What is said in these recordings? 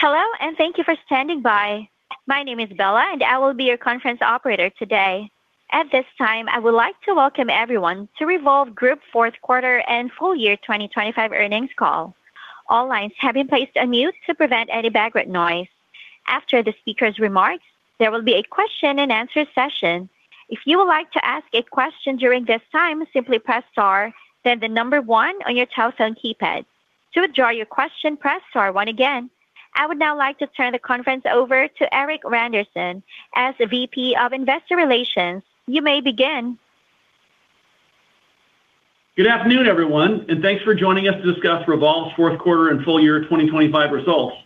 Hello, thank you for standing by. My name is Bella, I will be your conference operator today. At this time, I would like to welcome everyone to Revolve Group fourth quarter and full year 2025 earnings call. All lines have been placed on mute to prevent any background noise. After the speaker's remarks, there will be a question and answer session. If you would like to ask a question during this time, simply press star, then the number one on your telephone keypad. To withdraw your question, press star one again. I would now like to turn the conference over to Erik Randerson as the VP of Investor Relations. You may begin. Good afternoon, everyone, thanks for joining us to discuss Revolve's fourth quarter and full year 2025 results.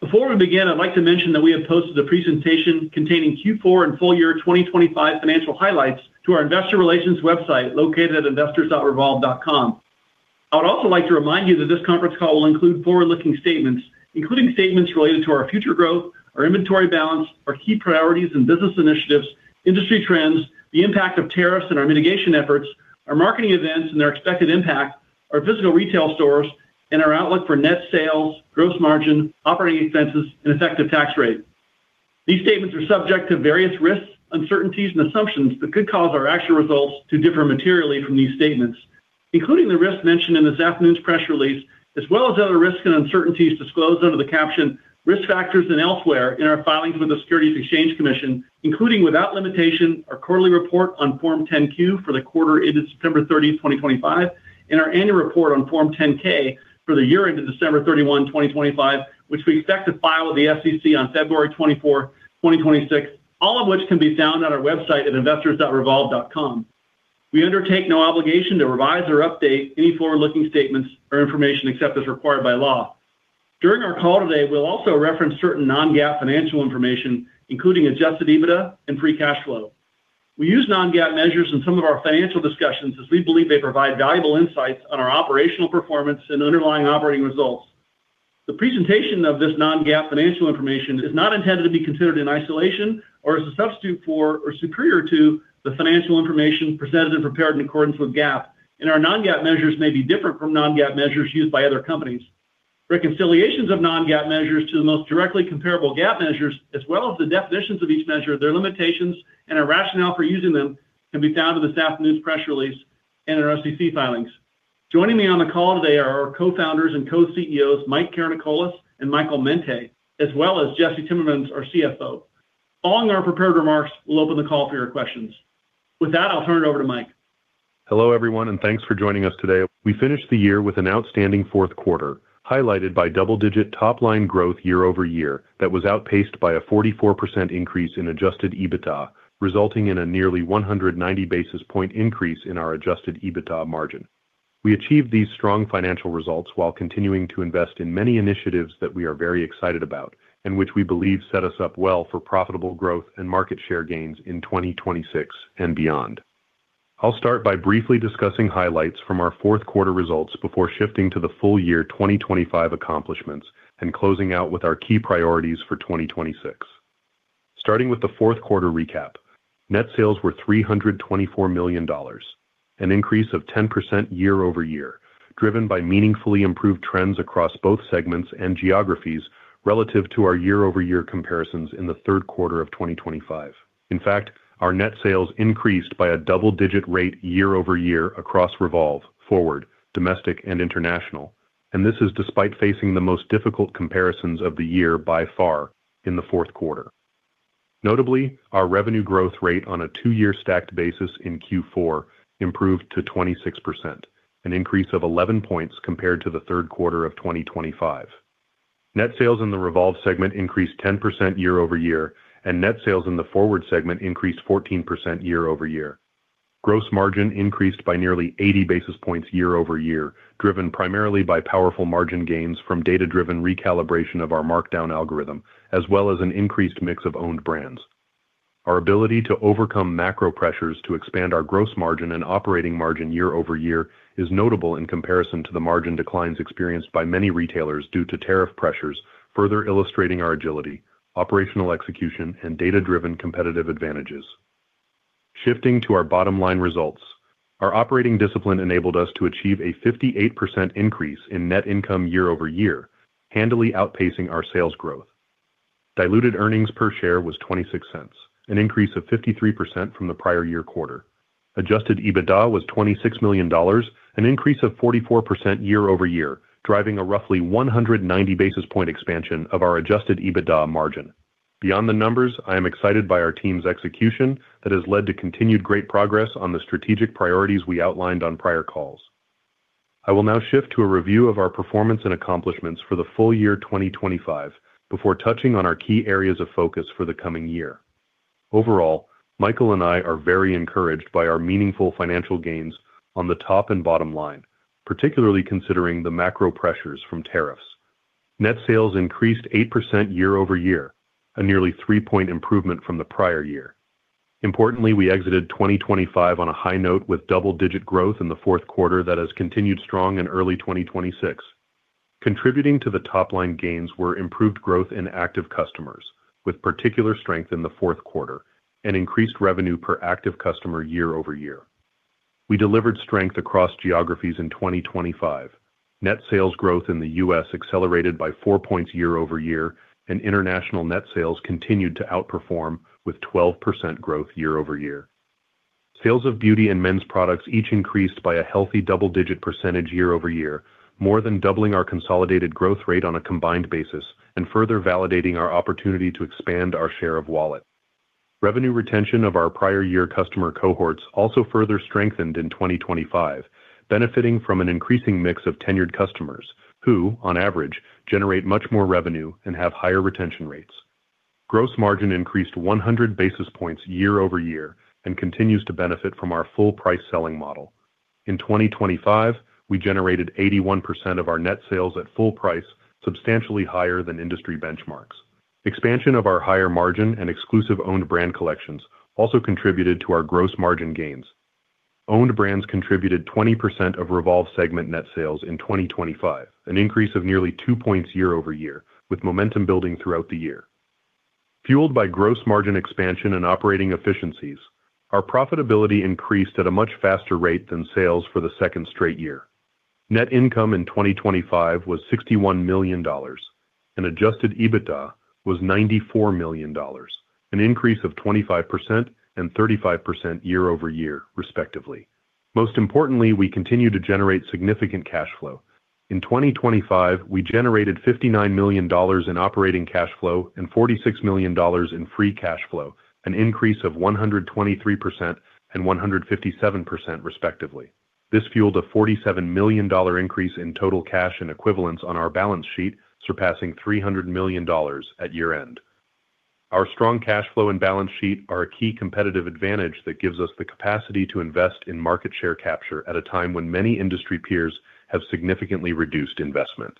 Before we begin, I'd like to mention that we have posted a presentation containing Q4 and full year 2025 financial highlights to our Investor Relations website, located at investors.revolve.com. I would also like to remind you that this conference call will include forward-looking statements, including statements related to our future growth, our inventory balance, our key priorities and business initiatives, industry trends, the impact of tariffs and our mitigation efforts, our marketing events and their expected impact, our physical retail stores, and our outlook for net sales, gross margin, operating expenses, and effective tax rate. These statements are subject to various risks, uncertainties, and assumptions that could cause our actual results to differ materially from these statements, including the risks mentioned in this afternoon's press release, as well as other risks and uncertainties disclosed under the caption Risk Factors and elsewhere in our filings with the Securities and Exchange Commission, including, without limitation, our quarterly report on Form 10-Q for the quarter ended September 30, 2025, and our annual report on Form 10-K for the year ended December 31, 2025, which we expect to file with the SEC on February 24, 2026, all of which can be found on our website at investors.revolve.com. We undertake no obligation to revise or update any forward-looking statements or information except as required by law. During our call today, we'll also reference certain non-GAAP financial information, including adjusted EBITDA and free cash flow. We use non-GAAP measures in some of our financial discussions as we believe they provide valuable insights on our operational performance and underlying operating results. The presentation of this non-GAAP financial information is not intended to be considered in isolation or as a substitute for or superior to the financial information presented and prepared in accordance with GAAP, and our non-GAAP measures may be different from non-GAAP measures used by other companies. Reconciliations of non-GAAP measures to the most directly comparable GAAP measures, as well as the definitions of each measure, their limitations, and our rationale for using them, can be found in this afternoon's press release and in our SEC filings. Joining me on the call today are our co-founders and co-CEOs, Mike Karanikolas and Michael Mente, as well as Jesse Timmermans, our CFO. Following our prepared remarks, we'll open the call for your questions. With that, I'll turn it over to Mike. Hello, everyone, thanks for joining us today. We finished the year with an outstanding fourth quarter, highlighted by double-digit top-line growth year-over-year that was outpaced by a 44% increase in adjusted EBITDA, resulting in a nearly 190 basis point increase in our adjusted EBITDA margin. We achieved these strong financial results while continuing to invest in many initiatives that we are very excited about and which we believe set us up well for profitable growth and market share gains in 2026 and beyond. I'll start by briefly discussing highlights from our fourth quarter results before shifting to the full year 2025 accomplishments and closing out with our key priorities for 2026. Starting with the fourth quarter recap, net sales were $324 million, an increase of 10% year-over-year, driven by meaningfully improved trends across both segments and geographies relative to our year-over-year comparisons in the third quarter of 2025. Our net sales increased by a double-digit rate year-over-year across REVOLVE, FWRD, domestic and international, and this is despite facing the most difficult comparisons of the year by far in the fourth quarter. Notably, our revenue growth rate on a two-year stacked basis in Q4 improved to 26%, an increase of 11 points compared to the third quarter of 2025. Net sales in the REVOLVE segment increased 10% year-over-year, and net sales in the FWRD segment increased 14% year-over-year. Gross margin increased by nearly 80 basis points year-over-year, driven primarily by powerful margin gains from data-driven recalibration of our markdown algorithm, as well as an increased mix of owned brands. Our ability to overcome macro pressures to expand our gross margin and operating margin year-over-year is notable in comparison to the margin declines experienced by many retailers due to tariff pressures, further illustrating our agility, operational execution, and data-driven competitive advantages. Shifting to our bottom line results, our operating discipline enabled us to achieve a 58% increase in net income year-over-year, handily outpacing our sales growth. Diluted earnings per share was $0.26, an increase of 53% from the prior year quarter. Adjusted EBITDA was $26 million, an increase of 44% year-over-year, driving a roughly 190 basis point expansion of our adjusted EBITDA margin. Beyond the numbers, I am excited by our team's execution that has led to continued great progress on the strategic priorities we outlined on prior calls. I will now shift to a review of our performance and accomplishments for the full year 2025 before touching on our key areas of focus for the coming year. Overall, Michael and I are very encouraged by our meaningful financial gains on the top and bottom line, particularly considering the macro pressures from tariffs. Net sales increased 8% year-over-year, a nearly 3-point improvement from the prior year. Importantly, we exited 2025 on a high note with double-digit growth in the fourth quarter that has continued strong in early 2026. Contributing to the top-line gains were improved growth in active customers, with particular strength in the fourth quarter and increased revenue per active customer year-over-year. We delivered strength across geographies in 2025. Net sales growth in the U.S. accelerated by 4 points year-over-year, and international net sales continued to outperform with 12% growth year-over-year. Sales of beauty and men's products each increased by a healthy double-digit percentage year-over-year, more than doubling our consolidated growth rate on a combined basis and further validating our opportunity to expand our share of wallet. Revenue retention of our prior year customer cohorts also further strengthened in 2025, benefiting from an increasing mix of tenured customers who, on average, generate much more revenue and have higher retention rates. Gross margin increased 100 basis points year-over-year and continues to benefit from our full price selling model. In 2025, we generated 81% of our net sales at full price, substantially higher than industry benchmarks. Expansion of our higher margin and exclusive owned brand collections also contributed to our gross margin gains. Owned brands contributed 20% of REVOLVE segment net sales in 2025, an increase of nearly 2 points year-over-year, with momentum building throughout the year. Fueled by gross margin expansion and operating efficiencies, our profitability increased at a much faster rate than sales for the second straight year. Net income in 2025 was $61 million, and adjusted EBITDA was $94 million, an increase of 25% and 35% year-over-year, respectively. Most importantly, we continue to generate significant cash flow. In 2025, we generated $59 million in operating cash flow and $46 million in free cash flow, an increase of 123% and 157%, respectively. This fueled a $47 million increase in total cash and equivalents on our balance sheet, surpassing $300 million at year-end. Our strong cash flow and balance sheet are a key competitive advantage that gives us the capacity to invest in market share capture at a time when many industry peers have significantly reduced investment.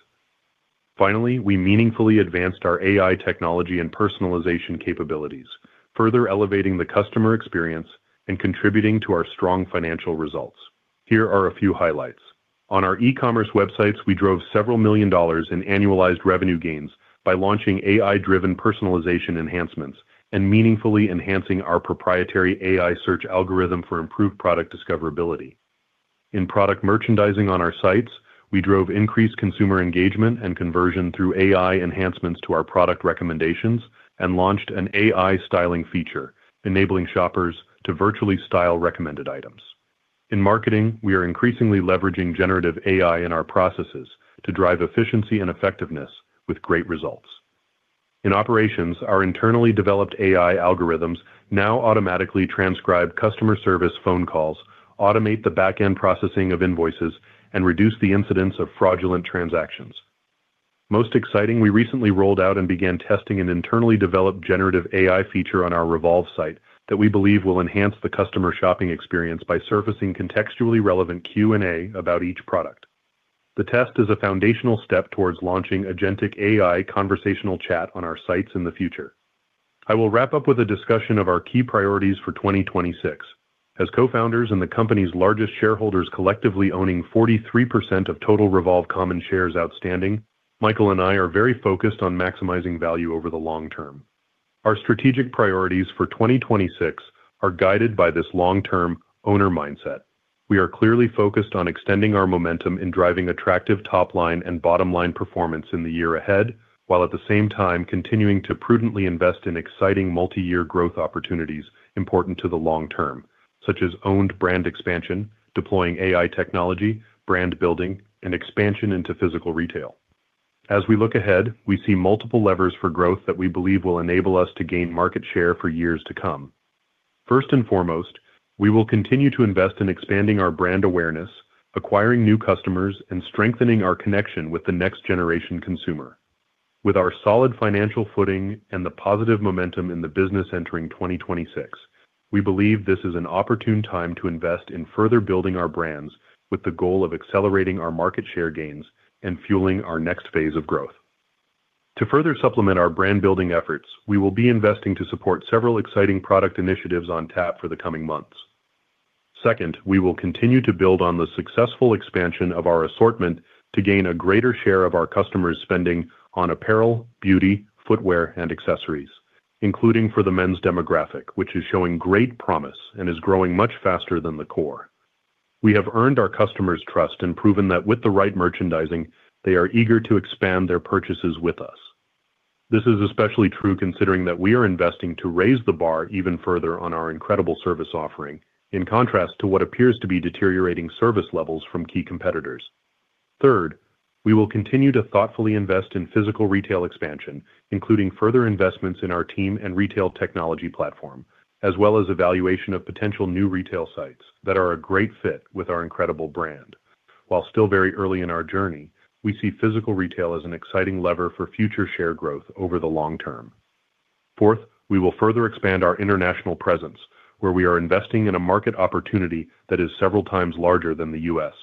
Finally, we meaningfully advanced our AI technology and personalization capabilities, further elevating the customer experience and contributing to our strong financial results. Here are a few highlights: On our e-commerce websites, we drove several million dollars in annualized revenue gains by launching AI-driven personalization enhancements and meaningfully enhancing our proprietary AI search algorithm for improved product discoverability. In product merchandising on our sites, we drove increased consumer engagement and conversion through AI enhancements to our product recommendations and launched an AI styling feature, enabling shoppers to virtually style recommended items. In marketing, we are increasingly leveraging generative AI in our processes to drive efficiency and effectiveness with great results. In operations, our internally developed AI algorithms now automatically transcribe customer service phone calls, automate the back-end processing of invoices, and reduce the incidence of fraudulent transactions. Most exciting, we recently rolled out and began testing an internally developed generative AI feature on our Revolve site that we believe will enhance the customer shopping experience by surfacing contextually relevant Q&A about each product. The test is a foundational step towards launching agentic AI conversational chat on our sites in the future. I will wrap up with a discussion of our key priorities for 2026. As co-founders and the company's largest shareholders, collectively owning 43% of total Revolve common shares outstanding, Michael and I are very focused on maximizing value over the long term. Our strategic priorities for 2026 are guided by this long-term owner mindset. We are clearly focused on extending our momentum in driving attractive top-line and bottom-line performance in the year ahead, while at the same time continuing to prudently invest in exciting multi-year growth opportunities important to the long term, such as owned brand expansion, deploying AI technology, brand building, and expansion into physical retail. As we look ahead, we see multiple levers for growth that we believe will enable us to gain market share for years to come. First and foremost, we will continue to invest in expanding our brand awareness, acquiring new customers, and strengthening our connection with the next generation consumer. With our solid financial footing and the positive momentum in the business entering 2026, we believe this is an opportune time to invest in further building our brands with the goal of accelerating our market share gains and fueling our next phase of growth. To further supplement our brand building efforts, we will be investing to support several exciting product initiatives on tap for the coming months. Second, we will continue to build on the successful expansion of our assortment to gain a greater share of our customers' spending on apparel, beauty, footwear, and accessories, including for the men's demographic, which is showing great promise and is growing much faster than the core. We have earned our customers' trust and proven that with the right merchandising, they are eager to expand their purchases with us. This is especially true considering that we are investing to raise the bar even further on our incredible service offering, in contrast to what appears to be deteriorating service levels from key competitors. Third, we will continue to thoughtfully invest in physical retail expansion, including further investments in our team and retail technology platform, as well as evaluation of potential new retail sites that are a great fit with our incredible brand. While still very early in our journey, we see physical retail as an exciting lever for future share growth over the long term. Fourth, we will further expand our international presence, where we are investing in a market opportunity that is several times larger than the U.S.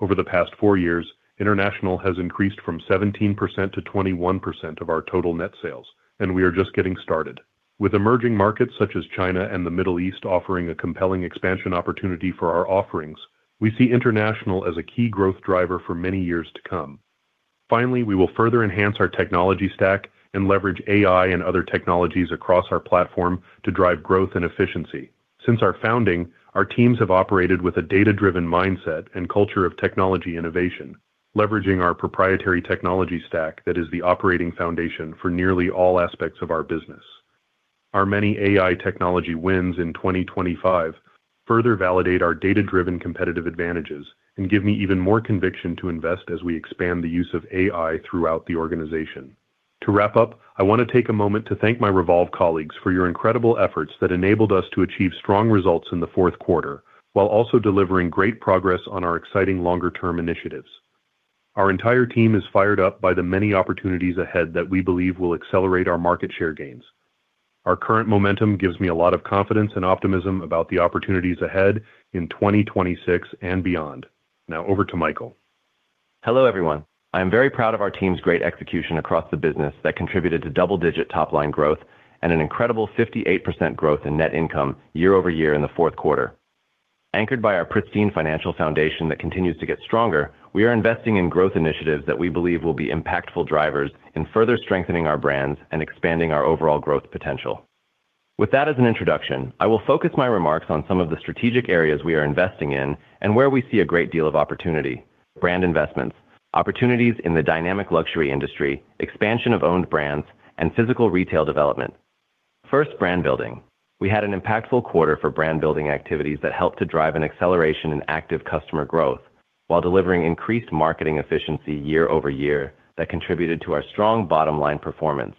Over the past four years, international has increased from 17% to 21% of our total net sales, and we are just getting started. With emerging markets such as China and the Middle East offering a compelling expansion opportunity for our offerings, we see international as a key growth driver for many years to come. We will further enhance our technology stack and leverage AI and other technologies across our platform to drive growth and efficiency. Since our founding, our teams have operated with a data-driven mindset and culture of technology innovation, leveraging our proprietary technology stack that is the operating foundation for nearly all aspects of our business. Our many AI technology wins in 2025 further validate our data-driven competitive advantages and give me even more conviction to invest as we expand the use of AI throughout the organization. To wrap up, I want to take a moment to thank my Revolve colleagues for your incredible efforts that enabled us to achieve strong results in the fourth quarter, while also delivering great progress on our exciting longer-term initiatives. Our entire team is fired up by the many opportunities ahead that we believe will accelerate our market share gains. Our current momentum gives me a lot of confidence and optimism about the opportunities ahead in 2026 and beyond. Now over to Michael. Hello, everyone. I am very proud of our team's great execution across the business that contributed to double-digit top-line growth and an incredible 58% growth in net income year-over-year in the fourth quarter. Anchored by our pristine financial foundation that continues to get stronger, we are investing in growth initiatives that we believe will be impactful drivers in further strengthening our brands and expanding our overall growth potential. With that as an introduction, I will focus my remarks on some of the strategic areas we are investing in and where we see a great deal of opportunity: brand investments, opportunities in the dynamic luxury industry, expansion of owned brands, and physical retail development. First, brand building. We had an impactful quarter for brand building activities that helped to drive an acceleration in active customer growth while delivering increased marketing efficiency year-over-year that contributed to our strong bottom line performance.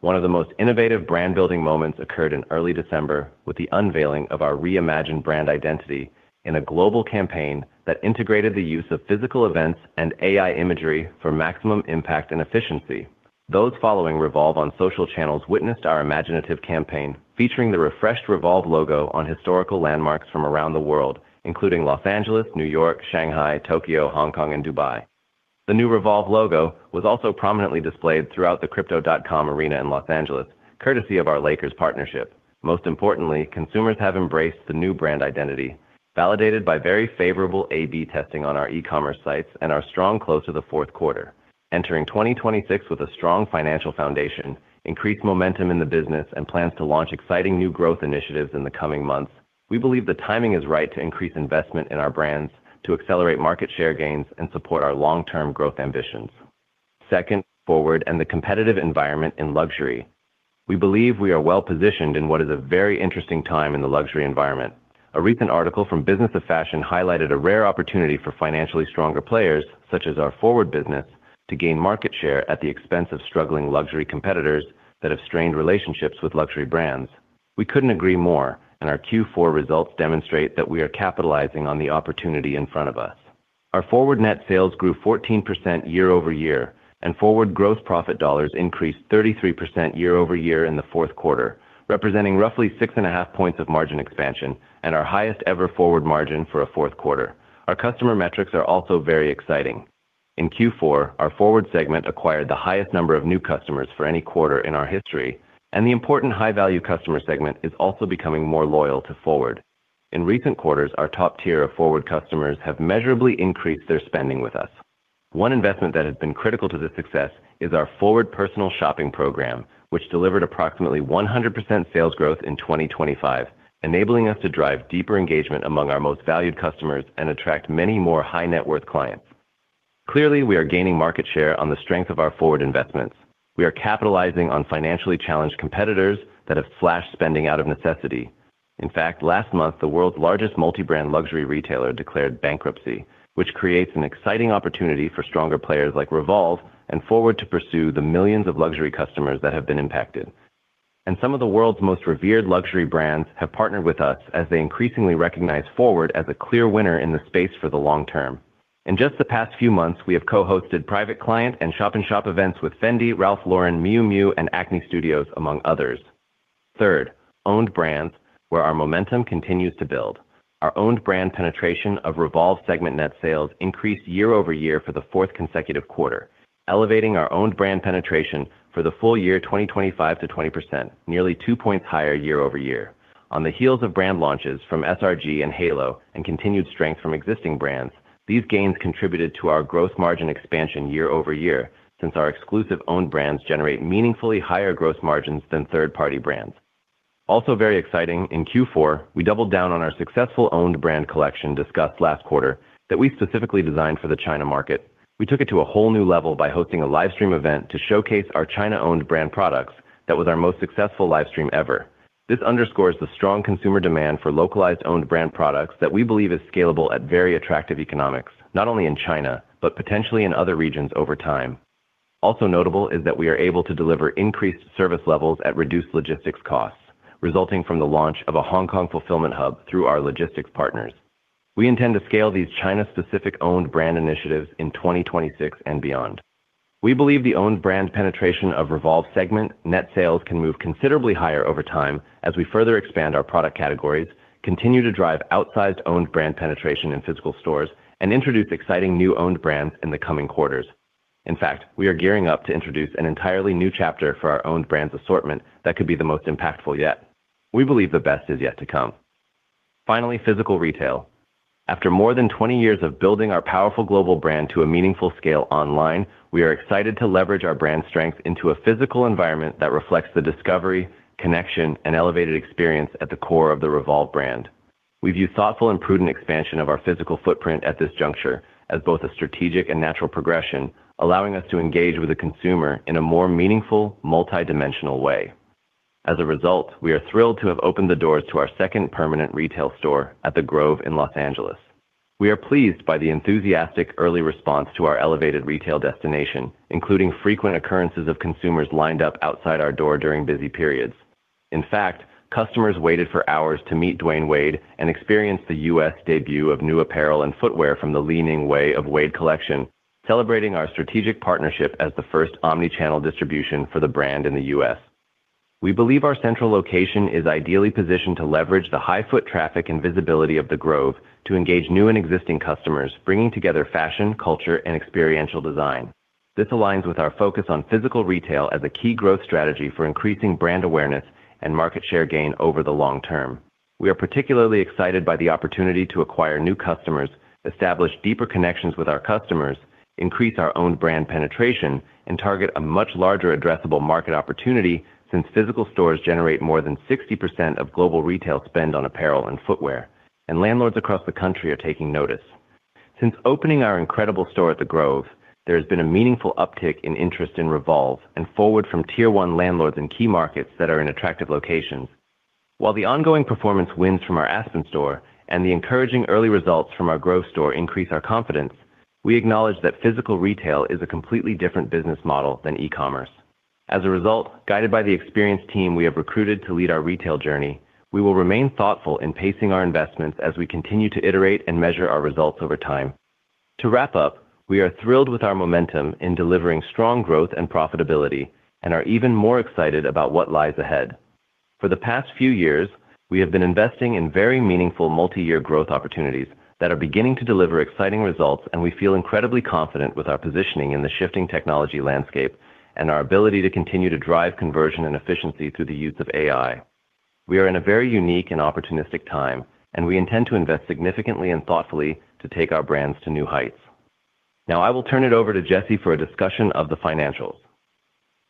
One of the most innovative brand building moments occurred in early December with the unveiling of our reimagined brand identity in a global campaign that integrated the use of physical events and AI imagery for maximum impact and efficiency. Those following Revolve on social channels witnessed our imaginative campaign, featuring the refreshed Revolve logo on historical landmarks from around the world, including Los Angeles, New York, Shanghai, Tokyo, Hong Kong, and Dubai. The new Revolve logo was also prominently displayed throughout the Crypto.com Arena in Los Angeles, courtesy of our Lakers partnership. Most importantly, consumers have embraced the new brand identity, validated by very favorable A/B testing on our e-commerce sites and our strong close to the fourth quarter. Entering 2026 with a strong financial foundation, increased momentum in the business, and plans to launch exciting new growth initiatives in the coming months, we believe the timing is right to increase investment in our brands, to accelerate market share gains, and support our long-term growth ambitions. Second, FWRD and the competitive environment in luxury. We believe we are well positioned in what is a very interesting time in the luxury environment. A recent article from Business of Fashion highlighted a rare opportunity for financially stronger players, such as our FWRD business, to gain market share at the expense of struggling luxury competitors that have strained relationships with luxury brands. We couldn't agree more. Our Q4 results demonstrate that we are capitalizing on the opportunity in front of us. Our FWRD net sales grew 14% year-over-year. FWRD gross profit dollars increased 33% year-over-year in the fourth quarter, representing roughly 6.5 points of margin expansion and our highest ever FWRD margin for a fourth quarter. Our customer metrics are also very exciting. In Q4, our FWRD segment acquired the highest number of new customers for any quarter in our history. The important high-value customer segment is also becoming more loyal to FWRD. In recent quarters, our top tier of FWRD customers have measurably increased their spending with us. One investment that has been critical to this success is our FWRD personal shopping program, which delivered approximately 100% sales growth in 2025, enabling us to drive deeper engagement among our most valued customers and attract many more high net worth clients. Clearly, we are gaining market share on the strength of our FWRD investments. We are capitalizing on financially challenged competitors that have flashed spending out of necessity. In fact, last month, the world's largest multi-brand luxury retailer declared bankruptcy, which creates an exciting opportunity for stronger players like REVOLVE and FWRD to pursue the millions of luxury customers that have been impacted. Some of the world's most revered luxury brands have partnered with us as they increasingly recognize FWRD as a clear winner in the space for the long term. In just the past few months, we have co-hosted private client and shop-in-shop events with Fendi, Ralph Lauren, Miu Miu, and Acne Studios, among others. Third, owned brands, where our momentum continues to build. Our owned brand penetration of REVOLVE segment net sales increased year-over-year for the fourth consecutive quarter, elevating our owned brand penetration for the full year 2025 to 20%, nearly 2 points higher year-over-year. On the heels of brand launches from SRG and HAELO and continued strength from existing brands, these gains contributed to our growth margin expansion year-over-year, since our exclusive owned brands generate meaningfully higher growth margins than third-party brands. Also very exciting, in Q4, we doubled down on our successful owned brand collection discussed last quarter that we specifically designed for the China market. We took it to a whole new level by hosting a live stream event to showcase our China-owned brand products. That was our most successful live stream ever. This underscores the strong consumer demand for localized owned brand products that we believe is scalable at very attractive economics, not only in China, but potentially in other regions over time. Also notable is that we are able to deliver increased service levels at reduced logistics costs, resulting from the launch of a Hong Kong fulfillment hub through our logistics partners. We intend to scale these China-specific owned brand initiatives in 2026 and beyond. We believe the owned brand penetration of REVOLVE segment net sales can move considerably higher over time as we further expand our product categories, continue to drive outsized owned brand penetration in physical stores, and introduce exciting new owned brands in the coming quarters. In fact, we are gearing up to introduce an entirely new chapter for our owned brands assortment that could be the most impactful yet. We believe the best is yet to come. Physical retail. After more than 20 years of building our powerful global brand to a meaningful scale online, we are excited to leverage our brand strength into a physical environment that reflects the discovery, connection, and elevated experience at the core of the Revolve brand. We view thoughtful and prudent expansion of our physical footprint at this juncture as both a strategic and natural progression, allowing us to engage with the consumer in a more meaningful, multidimensional way. We are thrilled to have opened the doors to our second permanent retail store at The Grove in Los Angeles. We are pleased by the enthusiastic early response to our elevated retail destination, including frequent occurrences of consumers lined up outside our door during busy periods. Customers waited for hours to meet Dwyane Wade and experience the U.S. debut of new apparel and footwear from the Li-Ning Way of Wade collection, celebrating our strategic partnership as the first omnichannel distribution for the brand in the U.S. We believe our central location is ideally positioned to leverage the high foot traffic and visibility of The Grove to engage new and existing customers, bringing together fashion, culture, and experiential design. This aligns with our focus on physical retail as a key growth strategy for increasing brand awareness and market share gain over the long term. We are particularly excited by the opportunity to acquire new customers, establish deeper connections with our customers, increase our own brand penetration, and target a much larger addressable market opportunity, since physical stores generate more than 60% of global retail spend on apparel and footwear. Landlords across the country are taking notice. Since opening our incredible store at The Grove, there has been a meaningful uptick in interest in REVOLVE and FWRD from Tier 1 landlords in key markets that are in attractive locations. While the ongoing performance wins from our Aspen store and the encouraging early results from our Grove store increase our confidence, we acknowledge that physical retail is a completely different business model than e-commerce. As a result, guided by the experienced team we have recruited to lead our retail journey, we will remain thoughtful in pacing our investments as we continue to iterate and measure our results over time. To wrap up, we are thrilled with our momentum in delivering strong growth and profitability and are even more excited about what lies ahead. For the past few years, we have been investing in very meaningful multi-year growth opportunities that are beginning to deliver exciting results, and we feel incredibly confident with our positioning in the shifting technology landscape and our ability to continue to drive conversion and efficiency through the use of AI. We are in a very unique and opportunistic time, and we intend to invest significantly and thoughtfully to take our brands to new heights. Now, I will turn it over to Jesse for a discussion of the financials.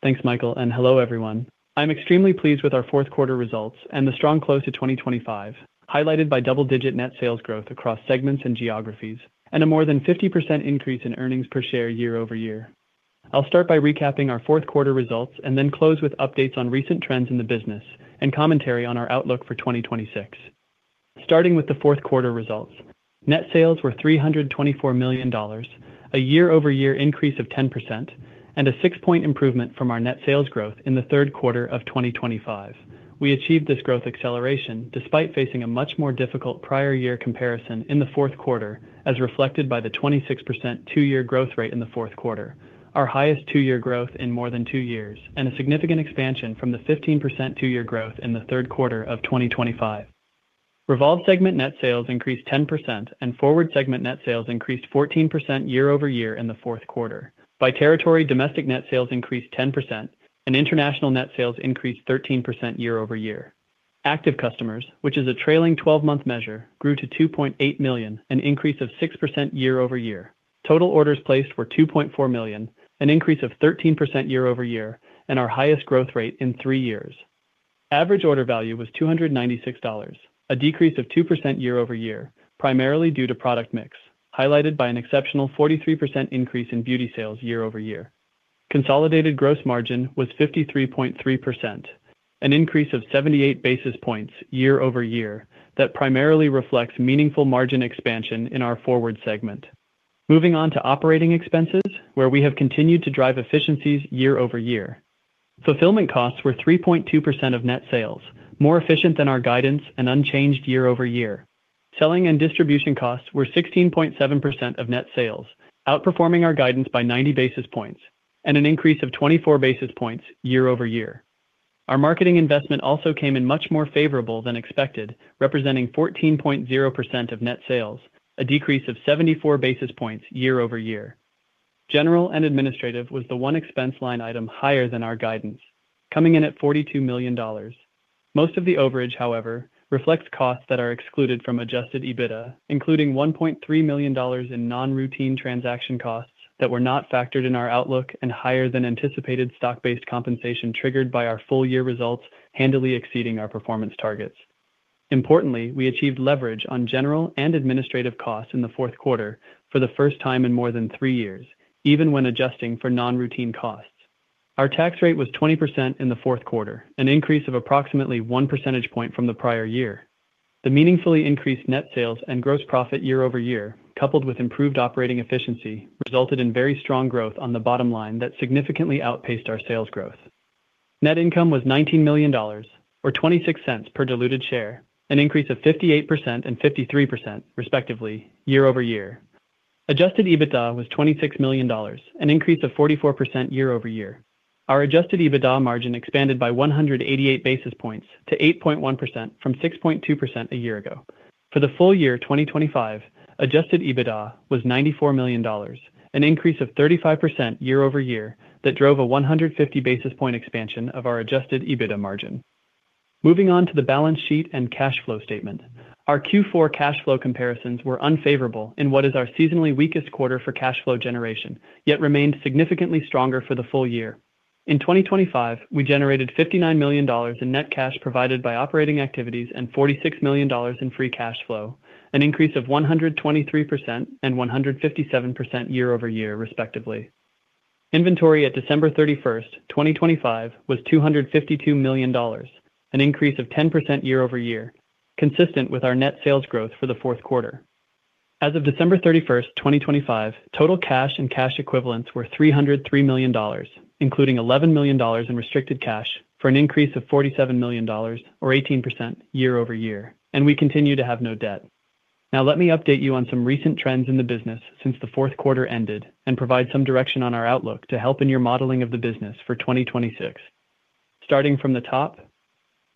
Thanks, Michael, and hello, everyone. I'm extremely pleased with our fourth quarter results and the strong close to 2025, highlighted by double-digit net sales growth across segments and geographies and a more than 50% increase in earnings per share year-over-year. I'll start by recapping our fourth quarter results and then close with updates on recent trends in the business and commentary on our outlook for 2026. Starting with the fourth quarter results, net sales were $324 million, a year-over-year increase of 10% and a 6-point improvement from our net sales growth in the third quarter of 2025. We achieved this growth acceleration despite facing a much more difficult prior year comparison in the fourth quarter, as reflected by the 26% two-year growth rate in the fourth quarter, our highest two-year growth in more than two years, and a significant expansion from the 15% two-year growth in the third quarter of 2025. REVOLVE segment net sales increased 10%, and FWRD segment net sales increased 14% year-over-year in the fourth quarter. By territory, domestic net sales increased 10%, and international net sales increased 13% year-over-year. Active customers, which is a trailing 12-month measure, grew to 2.8 million, an increase of 6% year-over-year. Total orders placed were 2.4 million, an increase of 13% year-over-year and our highest growth rate in three years. Average order value was $296, a decrease of 2% year-over-year, primarily due to product mix, highlighted by an exceptional 43% increase in beauty sales year-over-year. Consolidated gross margin was 53.3%, an increase of 78 basis points year-over-year that primarily reflects meaningful margin expansion in our FWRD segment. Moving on to operating expenses, where we have continued to drive efficiencies year-over-year. Fulfillment costs were 3.2% of net sales, more efficient than our guidance and unchanged year-over-year. Selling and distribution costs were 16.7% of net sales, outperforming our guidance by 90 basis points and an increase of 24 basis points year-over-year. Our marketing investment also came in much more favorable than expected, representing 14.0% of net sales, a decrease of 74 basis points year-over-year. General and administrative was the one expense line item higher than our guidance, coming in at $42 million. Most of the overage, however, reflects costs that are excluded from adjusted EBITDA, including $1.3 million in non-routine transaction costs that were not factored in our outlook and higher than anticipated stock-based compensation triggered by our full year results handily exceeding our performance targets. Importantly, we achieved leverage on general and administrative costs in the fourth quarter for the first time in more than three years, even when adjusting for non-routine costs. Our tax rate was 20% in the fourth quarter, an increase of approximately 1 percentage point from the prior year. The meaningfully increased net sales and gross profit year-over-year, coupled with improved operating efficiency, resulted in very strong growth on the bottom line that significantly outpaced our sales growth. Net income was $19 million, or $0.26 per diluted share, an increase of 58% and 53%, respectively, year-over-year. Adjusted EBITDA was $26 million, an increase of 44% year-over-year. Our adjusted EBITDA margin expanded by 188 basis points to 8.1% from 6.2% a year ago. For the full year 2025, adjusted EBITDA was $94 million, an increase of 35% year-over-year that drove a 150 basis point expansion of our adjusted EBITDA margin. Moving on to the balance sheet and cash flow statement. Our Q4 cash flow comparisons were unfavorable in what is our seasonally weakest quarter for cash flow generation, yet remained significantly stronger for the full year. In 2025, we generated $59 million in net cash provided by operating activities and $46 million in free cash flow, an increase of 123% and 157% year-over-year, respectively. Inventory at December 31st, 2025, was $252 million, an increase of 10% year-over-year, consistent with our net sales growth for the fourth quarter. As of December 31st, 2025, total cash and cash equivalents were $303 million, including $11 million in restricted cash, for an increase of $47 million or 18% year-over-year, and we continue to have no debt. Now, let me update you on some recent trends in the business since the fourth quarter ended and provide some direction on our outlook to help in your modeling of the business for 2026. Starting from the top,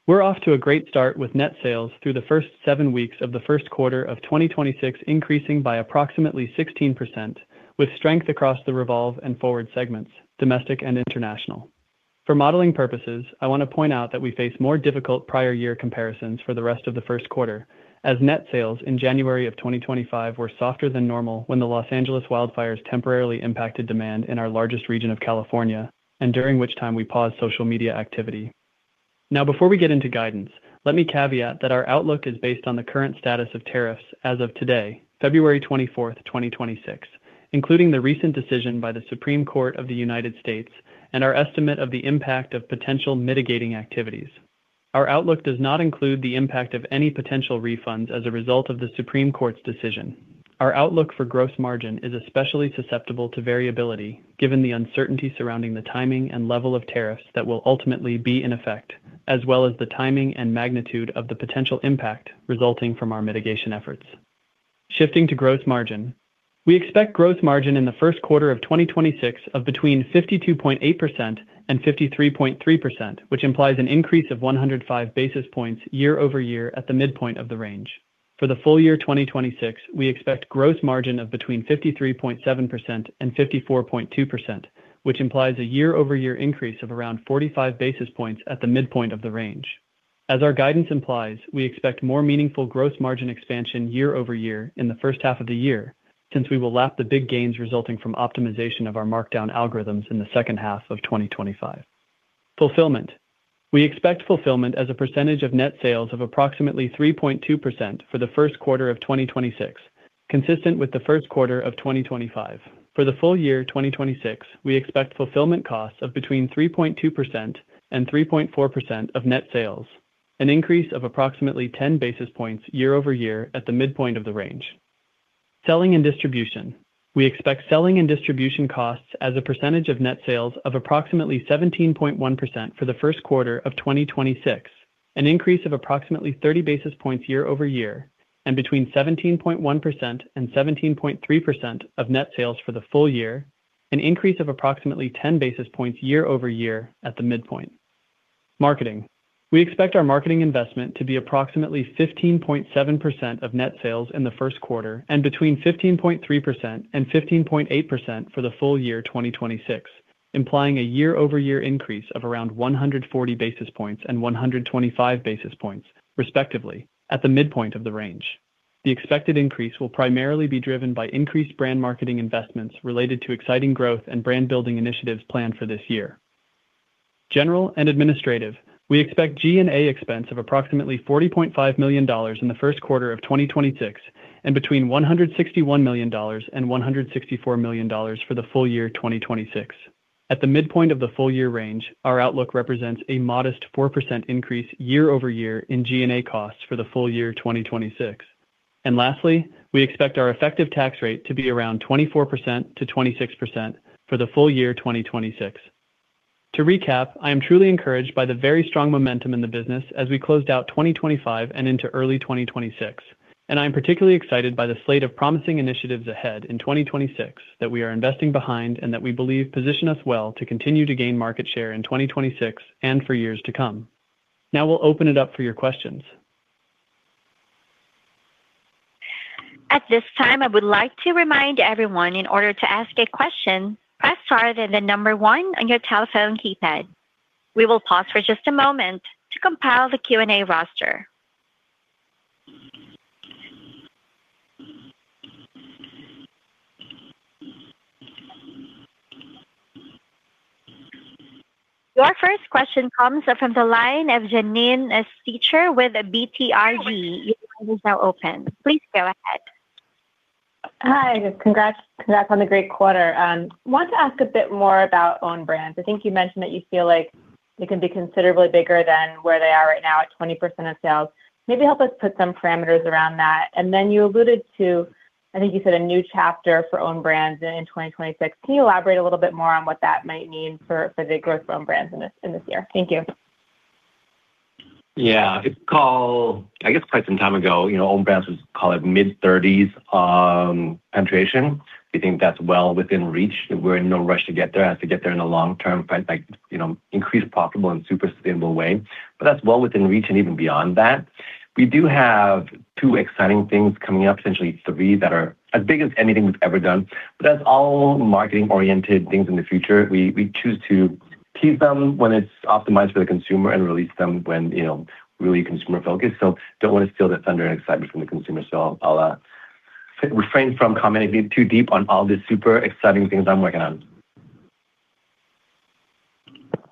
we're off to a great start with net sales through the seven weeks of the first quarter of 2026, increasing by approximately 16%, with strength across the Revolve and FWRD segments, domestic and international. For modeling purposes, I want to point out that we face more difficult prior year comparisons for the rest of the first quarter, as net sales in January of 2025 were softer than normal when the Los Angeles wildfires temporarily impacted demand in our largest region of California and during which time we paused social media activity. Before we get into guidance, let me caveat that our outlook is based on the current status of tariffs as of today, February 24, 2026, including the recent decision by the Supreme Court of the United States and our estimate of the impact of potential mitigating activities. Our outlook does not include the impact of any potential refunds as a result of the Supreme Court's decision. Our outlook for gross margin is especially susceptible to variability, given the uncertainty surrounding the timing and level of tariffs that will ultimately be in effect, as well as the timing and magnitude of the potential impact resulting from our mitigation efforts. Shifting to gross margin. We expect gross margin in the first quarter of 2026 of between 52.8% and 53.3%, which implies an increase of 105 basis points year-over-year at the midpoint of the range. For the full year 2026, we expect gross margin of between 53.7% and 54.2%, which implies a year-over-year increase of around 45 basis points at the midpoint of the range. As our guidance implies, we expect more meaningful gross margin expansion year-over-year in the first half of the year, since we will lap the big gains resulting from optimization of our markdown algorithms in the second half of 2025. Fulfillment. We expect fulfillment as a percentage of net sales of approximately 3.2% for the first quarter of 2026, consistent with the first quarter of 2025. For the full year 2026, we expect fulfillment costs of between 3.2% and 3.4% of net sales, an increase of approximately 10 basis points year-over-year at the midpoint of the range. Selling and distribution. We expect selling and distribution costs as a percentage of net sales of approximately 17.1% for the first quarter of 2026, an increase of approximately 30 basis points year-over-year, and between 17.1% and 17.3% of net sales for the full year, an increase of approximately 10 basis points year-over-year at the midpoint. Marketing. We expect our marketing investment to be approximately 15.7% of net sales in the first quarter and between 15.3% and 15.8% for the full year 2026, implying a year-over-year increase of around 140 basis points and 125 basis points, respectively, at the midpoint of the range. The expected increase will primarily be driven by increased brand marketing investments related to exciting growth and brand building initiatives planned for this year. General and administrative. We expect G&A expense of approximately $40.5 million in the first quarter of 2026 and between $161 million and $164 million for the full year 2026. At the midpoint of the full year range, our outlook represents a modest 4% increase year-over-year in G&A costs for the full year 2026. Lastly, we expect our effective tax rate to be around 24%-26% for the full year 2026. To recap, I am truly encouraged by the very strong momentum in the business as we closed out 2025 and into early 2026. I'm particularly excited by the slate of promising initiatives ahead in 2026 that we are investing behind and that we believe position us well to continue to gain market share in 2026 and for years to come. We'll open it up for your questions. At this time, I would like to remind everyone, in order to ask a question, press star, then the number one on your telephone keypad. We will pause for just a moment to compile the Q&A roster. Your first question comes from the line of Janine Stichter with BTIG. Your line is now open. Please go ahead. Hi, congrats on the great quarter. I want to ask a bit more about own brands. I think you mentioned that you feel like they can be considerably bigger than where they are right now at 20% of sales. Maybe help us put some parameters around that. Then you alluded to, I think you said, a new chapter for own brands in 2026. Can you elaborate a little bit more on what that might mean for the growth of own brands in this, in this year? Thank you. Yeah. It's call, I guess, quite some time ago, you know, own brands was call it mid-30s penetration. We think that's well within reach. We're in no rush to get there. It has to get there in the long term, but like, you know, increase profitable in a super sustainable way. That's well within reach and even beyond that. We do have two exciting things coming up, potentially three, that are as big as anything we've ever done. That's all marketing-oriented things in the future. We choose to tease them when it's optimized for the consumer and release them when, you know, really consumer-focused. Don't want to steal the thunder and excitement from the consumer. I'll refrain from commenting too deep on all the super exciting things I'm working on.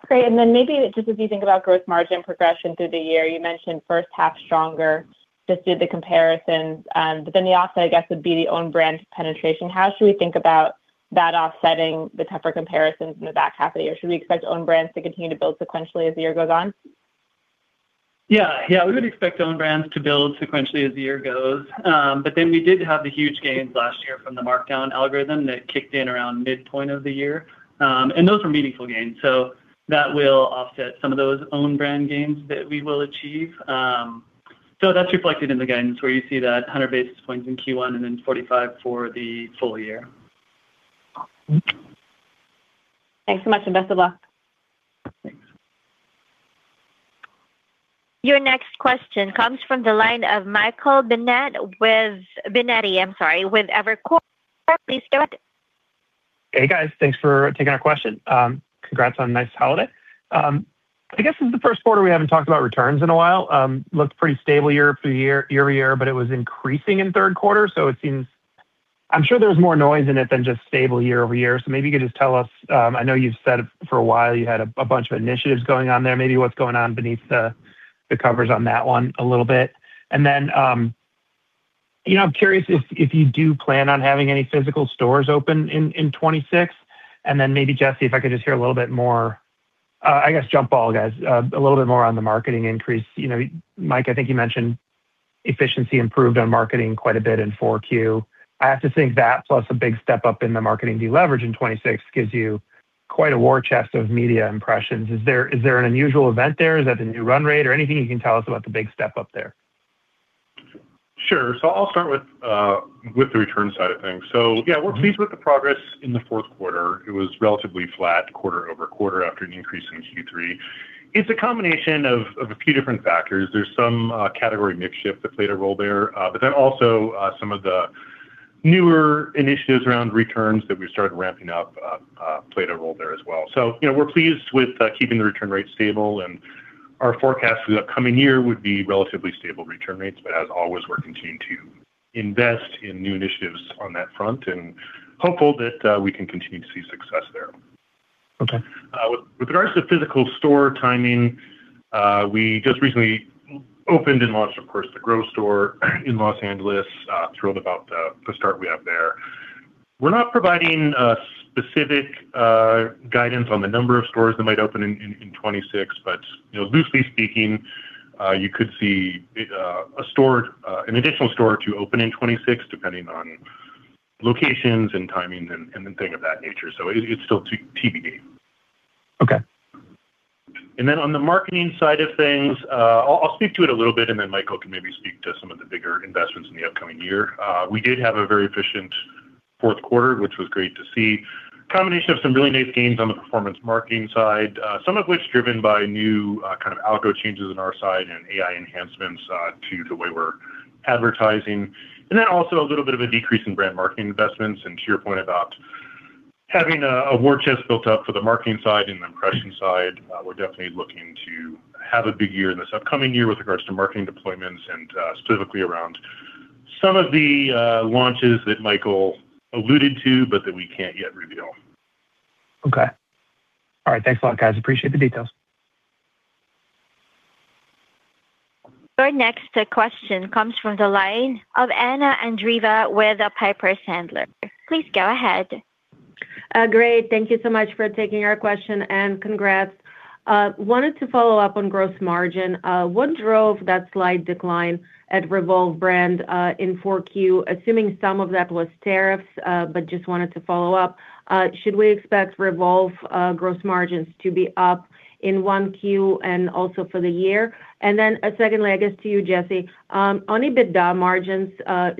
Great. Maybe just as you think about gross margin progression through the year, you mentioned first half stronger, just did the comparisons. The offset, I guess, would be the owned brand penetration. How should we think about that offsetting the tougher comparisons in the back half of the year? Should we expect owned brands to continue to build sequentially as the year goes on? Yeah. Yeah, we would expect own brands to build sequentially as the year goes. We did have the huge gains last year from the markdown algorithm that kicked in around midpoint of the year. Those were meaningful gains, so that will offset some of those own brand gains that we will achieve. That's reflected in the guidance where you see that 100 basis points in Q1 and 45 for the full year. Thanks so much. Best of luck. Thanks. Your next question comes from the line of Michael Binett, Binetti, I'm sorry, with Evercore. Please go ahead. Hey, guys. Thanks for taking our question. Congrats on a nice holiday. I guess this is the first quarter we haven't talked about returns in a while. Looked pretty stable year-over-year, but it was increasing in third quarter. It seems. I'm sure there's more noise in it than just stable year-over-year. Maybe you could just tell us, I know you've said for a while you had a bunch of initiatives going on there, maybe what's going on beneath the covers on that one a little bit. You know, I'm curious if you do plan on having any physical stores open in 2026. Maybe, Jesse, if I could just hear a little bit more, I guess, jump ball, guys, a little bit more on the marketing increase. You know, Mike, I think you mentioned efficiency improved on marketing quite a bit in 4Q. I have to think that plus a big step up in the marketing deleverage in 2026 gives you quite a war chest of media impressions. Is there an unusual event there? Is that the new run rate or anything you can tell us about the big step up there? Sure. I'll start with the return side of things. Yeah, we're pleased with the progress in the fourth quarter. It was relatively flat quarter-over-quarter after an increase in Q3. It's a combination of a few different factors. There's some category mix shift that played a role there, but then also some of the newer initiatives around returns that we started ramping up played a role there as well. You know, we're pleased with keeping the return rates stable, and our forecast for the upcoming year would be relatively stable return rates. As always, we're continuing to invest in new initiatives on that front and hopeful that we can continue to see success there. Okay. With regards to physical store timing, we just recently opened and launched, of course, the Revolve Store at The Grove in Los Angeles. Thrilled about the start we have there. We're not providing specific guidance on the number of stores that might open in 2026, but, you know, loosely speaking, you could see a store, an additional store or two open in 2026, depending on locations and timing and things of that nature. So it's still TBD. Okay. On the marketing side of things, I'll speak to it a little bit, and then Michael can maybe speak to some of the bigger investments in the upcoming year. We did have a very efficient fourth quarter, which was great to see. A combination of some really nice gains on the performance marketing side, some of which driven by new, kind of algo changes on our side and AI enhancements, to the way we're advertising. Also a little bit of a decrease in brand marketing investments. To your point about having a war chest built up for the marketing side and the impression side, we're definitely looking to have a big year in this upcoming year with regards to marketing deployments and specifically around some of the launches that Michael alluded to, but that we can't yet reveal. Okay. All right. Thanks a lot, guys. Appreciate the details. Our next question comes from the line of Anna Andreeva with Piper Sandler. Please go ahead. Great. Thank you so much for taking our question, and congrats. Wanted to follow up on gross margin. What drove that slight decline at REVOLVE brand in 4Q? Assuming some of that was tariffs, just wanted to follow up. Should we expect REVOLVE gross margins to be up in 1Q and also for the year? Secondly, I guess to you, Jesse, on EBITDA margins,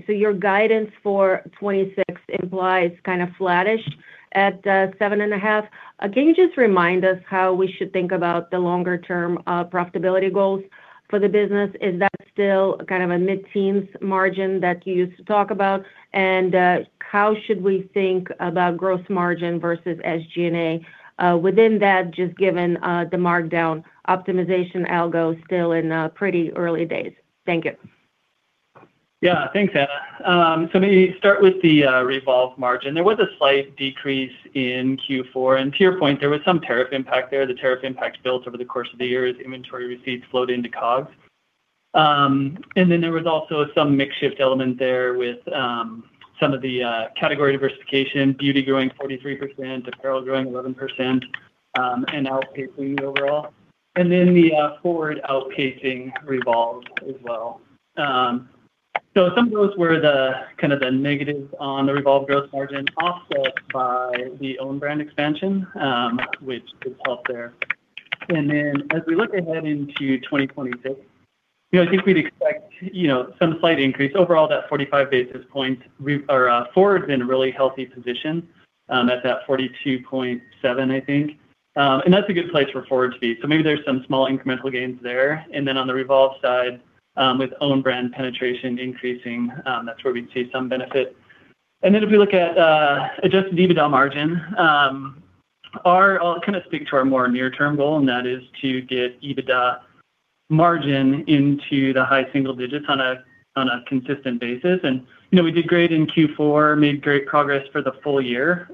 your guidance for 2026 implies kind of flattish at 7.5%. Can you just remind us how we should think about the longer-term profitability goals for the business? Is that still kind of a mid-teens margin that you used to talk about? How should we think about gross margin versus SG&A within that, just given the markdown optimization algo still in pretty early days? Thank you. Yeah. Thanks, Anna. Let me start with the REVOLVE margin. There was a slight decrease in Q4, and to your point, there was some tariff impact there. The tariff impact built over the course of the year as inventory receipts flowed into COGS. There was also some mix shift element there with some of the category diversification, beauty growing 43%, apparel growing 11%, and outpacing overall. The FWRD outpacing REVOLVE as well. Some of those were the kind of the negatives on the REVOLVE gross margin, offset by the own brand expansion, which did help there. As we look ahead into 2026, you know, I think we'd expect, you know, some slight increase. Overall, that 45 basis points. Our FWRD's in a really healthy position at that 42.7, I think. That's a good place for FWRD to be. Maybe there's some small incremental gains there. On the REVOLVE side, with own brand penetration increasing, that's where we'd see some benefit. If we look at adjusted EBITDA margin, I'll kind of speak to our more near-term goal, and that is to get EBITDA margin into the high single digits on a consistent basis. You know, we did great in Q4, made great progress for the full year.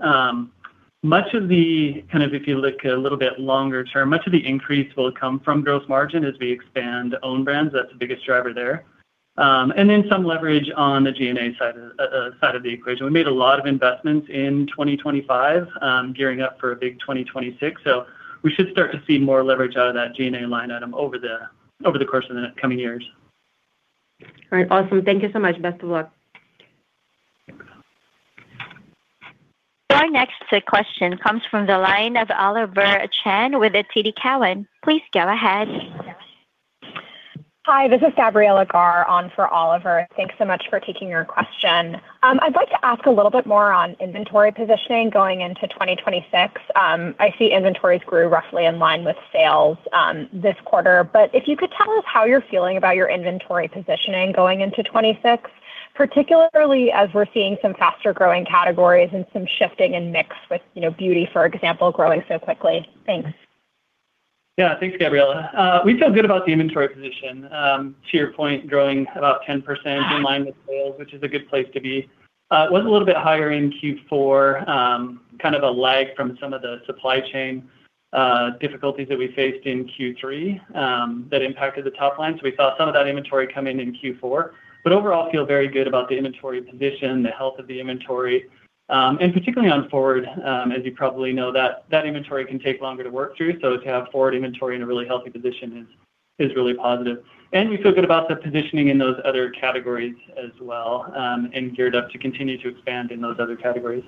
Much of the, kind of if you look a little bit longer term, much of the increase will come from gross margin as we expand own brands. That's the biggest driver there. Some leverage on the G&A side of the equation. We made a lot of investments in 2025, gearing up for a big 2026, so we should start to see more leverage out of that G&A line item over the course of the coming years. All right. Awesome. Thank you so much. Best of luck. Your next question comes from the line of Oliver Chen with TD Cowen. Please go ahead. Hi, this is Gabriella Garr on for Oliver. Thanks so much for taking your question. I'd like to ask a little bit more on inventory positioning going into 2026. I see inventories grew roughly in line with sales this quarter. If you could tell us how you're feeling about your inventory positioning going into 2026, particularly as we're seeing some faster growing categories and some shifting in mix with, you know, beauty, for example, growing so quickly. Thanks. Yeah. Thanks, Gabriella. We feel good about the inventory position. To your point, growing about 10% in line with sales, which is a good place to be. It was a little bit higher in Q4, kind of a lag from some of the supply chain difficulties that we faced in Q3, that impacted the top line. We saw some of that inventory come in in Q4, but overall feel very good about the inventory position, the health of the inventory. And particularly on FWRD, as you probably know, that inventory can take longer to work through. To have FWRD inventory in a really healthy position is really positive. We feel good about the positioning in those other categories as well, and geared up to continue to expand in those other categories.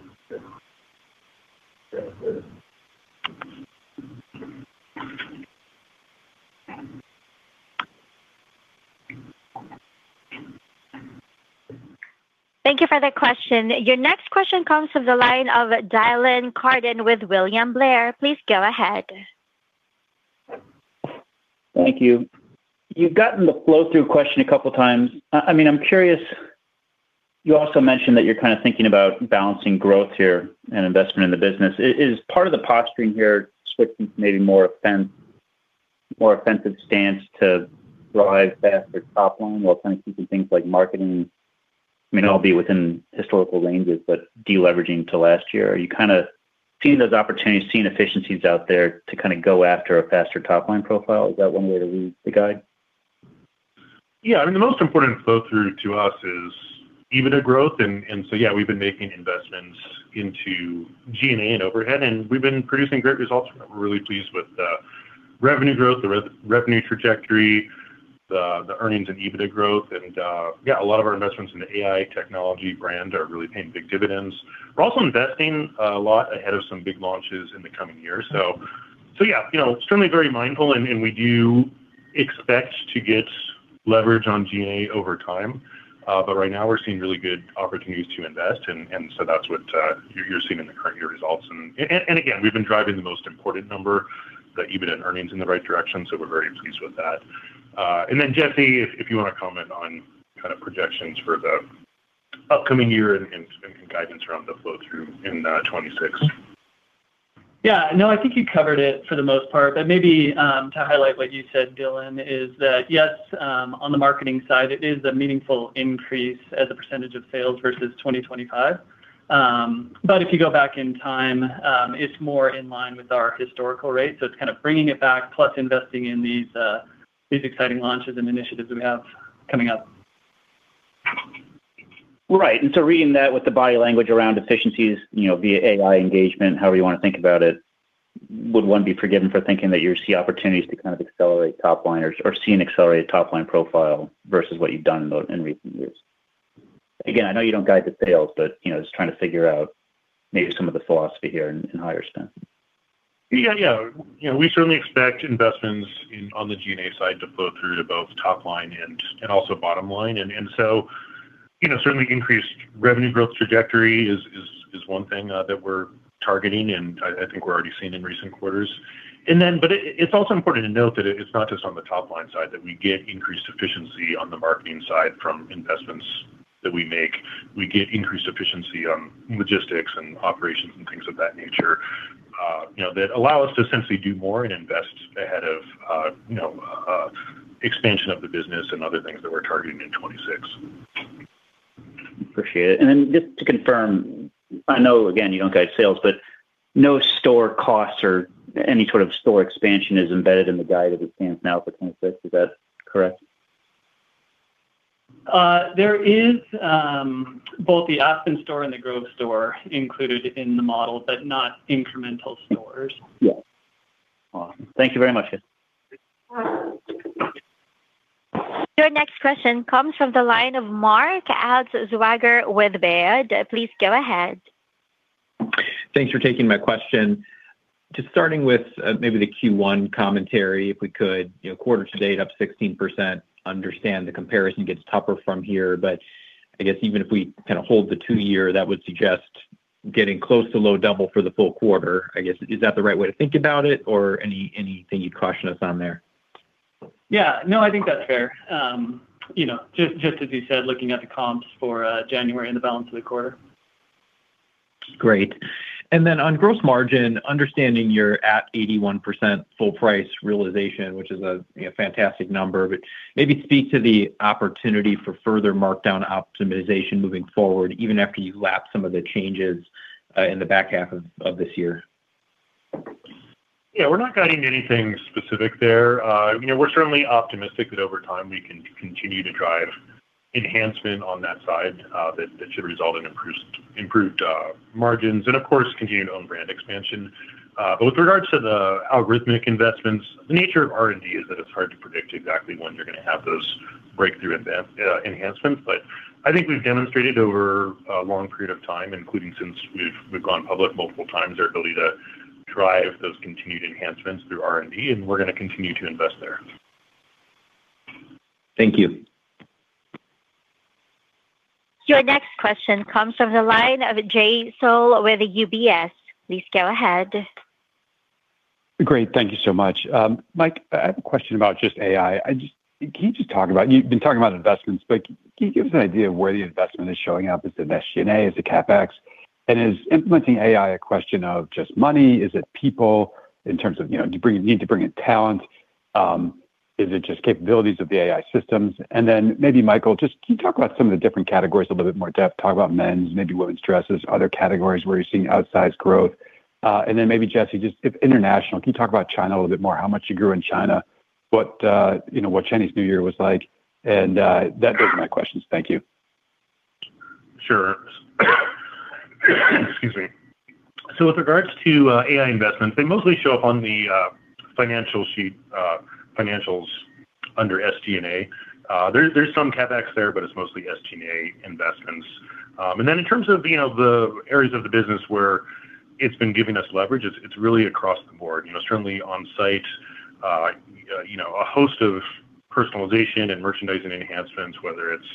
Thank you for the question. Your next question comes from the line of Dylan Carden with William Blair. Please go ahead. Thank you. You've gotten the flow-through question a couple times. I mean, I'm curious, you also mentioned that you're kind of thinking about balancing growth here and investment in the business. Is part of the posturing here switching to maybe more offense, more offensive stance to drive faster top line while kind of keeping things like marketing, I mean, it'll be within historical ranges, but deleveraging to last year? Are you kind of seeing those opportunities, seeing efficiencies out there to kind of go after a faster top line profile? Is that one way to read the guide? Yeah, I mean, the most important flow-through to us is EBITDA growth. Yeah, we've been making investments into G&A and overhead, and we've been producing great results from it. We're really pleased with the revenue growth, the revenue trajectory, the earnings and EBITDA growth. Yeah, a lot of our investments in the AI technology brand are really paying big dividends. We're also investing a lot ahead of some big launches in the coming years. Yeah, you know, certainly very mindful, and we do expect to get leverage on G&A over time. Right now we're seeing really good opportunities to invest, and so that's what you're seeing in the current year results. Again, we've been driving the most important number, the EBITDA earnings, in the right direction, so we're very pleased with that. Jesse, if you want to comment on kind of projections for the upcoming year and guidance around the flow-through in 2026. Yeah. No, I think you covered it for the most part. Maybe, to highlight what you said, Dylan, is that, yes, on the marketing side, it is a meaningful increase as a % of sales versus 2025. If you go back in time, it's more in line with our historical rate, so it's kind of bringing it back, plus investing in these exciting launches and initiatives we have coming up. Right. Reading that with the body language around efficiencies, you know, via AI engagement, however you want to think about it, would one be forgiven for thinking that you see opportunities to kind of accelerate top line or see an accelerated top line profile versus what you've done in recent years? Again, I know you don't guide the sales, but, you know, just trying to figure out maybe some of the philosophy here in higher spend. Yeah. Yeah. You know, we certainly expect investments on the G&A side to flow through to both top line and also bottom line. You know, certainly increased revenue growth trajectory is one thing that we're targeting, and I think we're already seeing in recent quarters. It's also important to note that it's not just on the top line side, that we get increased efficiency on the marketing side from investments that we make. We get increased efficiency on logistics and operations and things of that nature, you know, that allow us to essentially do more and invest ahead of, you know, expansion of the business and other things that we're targeting in 2026. Appreciate it. Then just to confirm, I know, again, you don't guide sales, but no store costs or any sort of store expansion is embedded in the guide as it stands now for 2026. Is that correct? There is both the Aspen store and The Grove store included in the model, not incremental stores. Yeah. Awesome. Thank you very much. Your next question comes from the line of Mark Altschwager with Baird. Please go ahead. Thanks for taking my question. Just starting with, maybe the Q1 commentary, if we could. You know, quarter to date, up 16%. Understand the comparison gets tougher from here, but I guess even if we kind of hold the two year, that would suggest getting close to low double for the full quarter. I guess, is that the right way to think about it or anything you'd caution us on there? Yeah. No, I think that's fair. you know, just as you said, looking at the comps for, January and the balance of the quarter. Great. Then on gross margin, understanding you're at 81% full price realization, which is a fantastic number, but maybe speak to the opportunity for further markdown optimization moving forward, even after you lap some of the changes in the back half of this year. Yeah, we're not guiding to anything specific there. you know, we're certainly optimistic that over time we can continue to drive enhancement on that side, that should result in improved margins and of course, continued own brand expansion. With regards to the algorithmic investments, the nature of R&D is that it's hard to predict exactly when you're going to have those breakthrough enhancements. I think we've demonstrated over a long period of time, including since we've gone public multiple times, our ability to drive those continued enhancements through R&D, and we're going to continue to invest there. Thank you. Your next question comes from the line of Jay Sole with UBS. Please go ahead. Great. Thank you so much. Mike, I have a question about just AI. Can you just talk about You've been talking about investments, but can you give us an idea of where the investment is showing up? Is it in SG&A? Is it CapEx? Is implementing AI a question of just money? Is it people in terms of, you know, you need to bring in talent? Is it just capabilities of the AI systems? Maybe, Michael, just can you talk about some of the different categories a little bit more depth? Talk about men's, maybe women's dresses, other categories where you're seeing outsized growth. Maybe, Jesse, just if international, can you talk about China a little bit more? How much you grew in China, what, you know, what Chinese New Year was like? There goes my questions. Thank you. Sure. Excuse me. With regards to AI investments, they mostly show up on the financial sheet, financials under SG&A. There's some CapEx there, but it's mostly SG&A investments. In terms of, you know, the areas of the business where it's been giving us leverage, it's really across the board. You know, certainly on site, you know, a host of personalization and merchandising enhancements, whether it's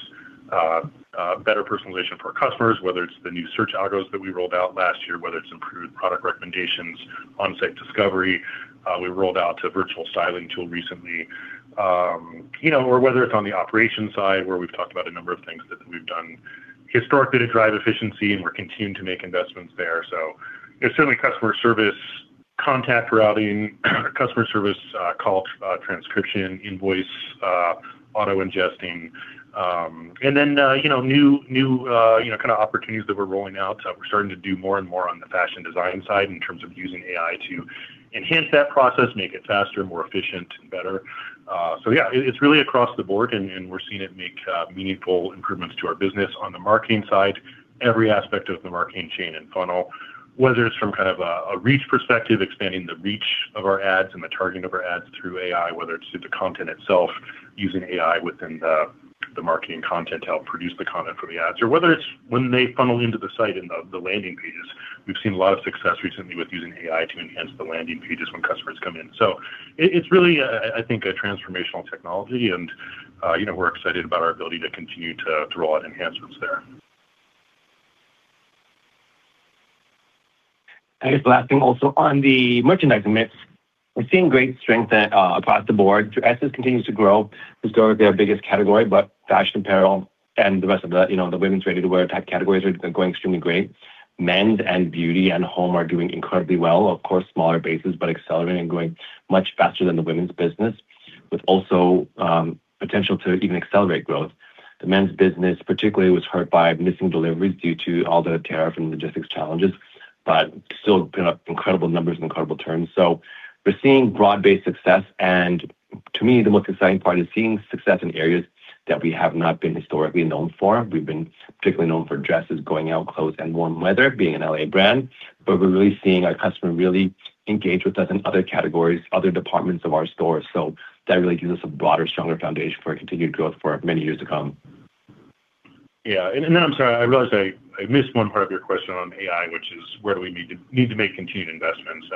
better personalization for our customers, whether it's the new search algos that we rolled out last year, whether it's improved product recommendations, on-site discovery, we rolled out a virtual styling tool recently. You know, whether it's on the operations side, where we've talked about a number of things that we've done historically to drive efficiency, and we're continuing to make investments there. Certainly customer service, contact routing, customer service, call transcription, invoice auto ingesting, and then, you know, new, you know, kind of opportunities that we're rolling out. We're starting to do more and more on the fashion design side in terms of using AI to enhance that process, make it faster, more efficient, and better. Yeah, it's really across the board, we're seeing it make meaningful improvements to our business on the marketing side, every aspect of the marketing chain and funnel, whether it's from kind of a reach perspective, expanding the reach of our ads and the targeting of our ads through AI, whether it's through the content itself, using AI within the marketing content to help produce the content for the ads, or whether it's when they funnel into the site in the landing pages. We've seen a lot of success recently with using AI to enhance the landing pages when customers come in. It's really, I think, a transformational technology, you know, we're excited about our ability to continue to roll out enhancements there. I guess the last thing also on the merchandise mix, we're seeing great strength across the board. Dresses continues to grow. It's still their biggest category, fashion apparel and the rest of the, you know, the women's ready-to-wear type categories are going extremely great. Men's and beauty and home are doing incredibly well. Of course, smaller bases, but accelerating and growing much faster than the women's business, with also potential to even accelerate growth. The men's business, particularly, was hurt by missing deliveries due to all the tariff and logistics challenges, but still, you know, incredible numbers and incredible turns. We're seeing broad-based success, and to me, the most exciting part is seeing success in areas that we have not been historically known for. We've been particularly known for dresses, going out clothes, and warm weather, being an L.A. brand. We're really seeing our customer really engage with us in other categories, other departments of our stores. That really gives us a broader, stronger foundation for continued growth for many years to come. Yeah. I'm sorry, I realized I missed one part of your question on AI, which is: where do we need to make continued investments?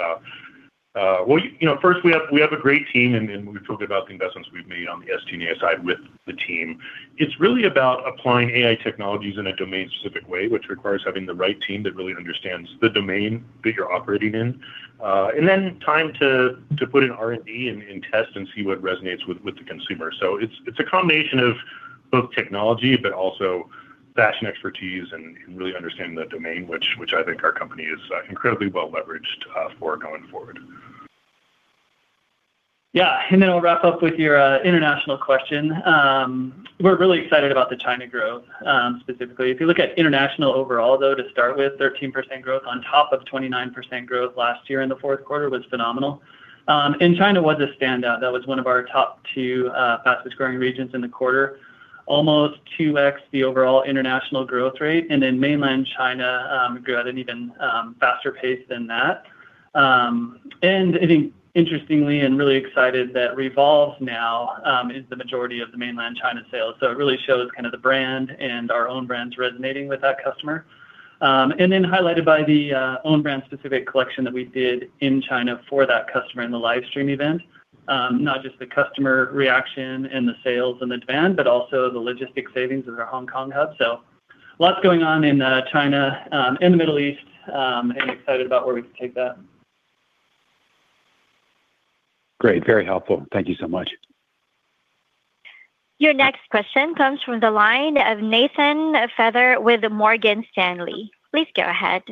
Well, you know, first, we have a great team, and we've talked about the investments we've made on the SG&A side with the team. It's really about applying AI technologies in a domain-specific way, which requires having the right team that really understands the domain that you're operating in, and then time to put in R&D and test and see what resonates with the consumer. It's a combination of both technology, but also fashion expertise and really understanding the domain, which I think our company is incredibly well leveraged for going forward. I'll wrap up with your international question. We're really excited about the China growth specifically. If you look at international overall, though, to start with, 13% growth on top of 29% growth last year in the fourth quarter was phenomenal. China was a standout. That was one of our top two fastest-growing regions in the quarter, almost 2x the overall international growth rate, mainland China grew at an even faster pace than that. I think interestingly, and really excited that Revolve now is the majority of the mainland China sales. It really shows kind of the brand and our own brands resonating with that customer. Highlighted by the own brand specific collection that we did in China for that customer in the live stream event. Not just the customer reaction and the sales and the demand, but also the logistic savings of our Hong Kong hub. Lots going on in China and the Middle East and excited about where we can take that. Great, very helpful. Thank Thank you so much. Your next question comes from the line of Nathan Feather with Morgan Stanley. Please go ahead.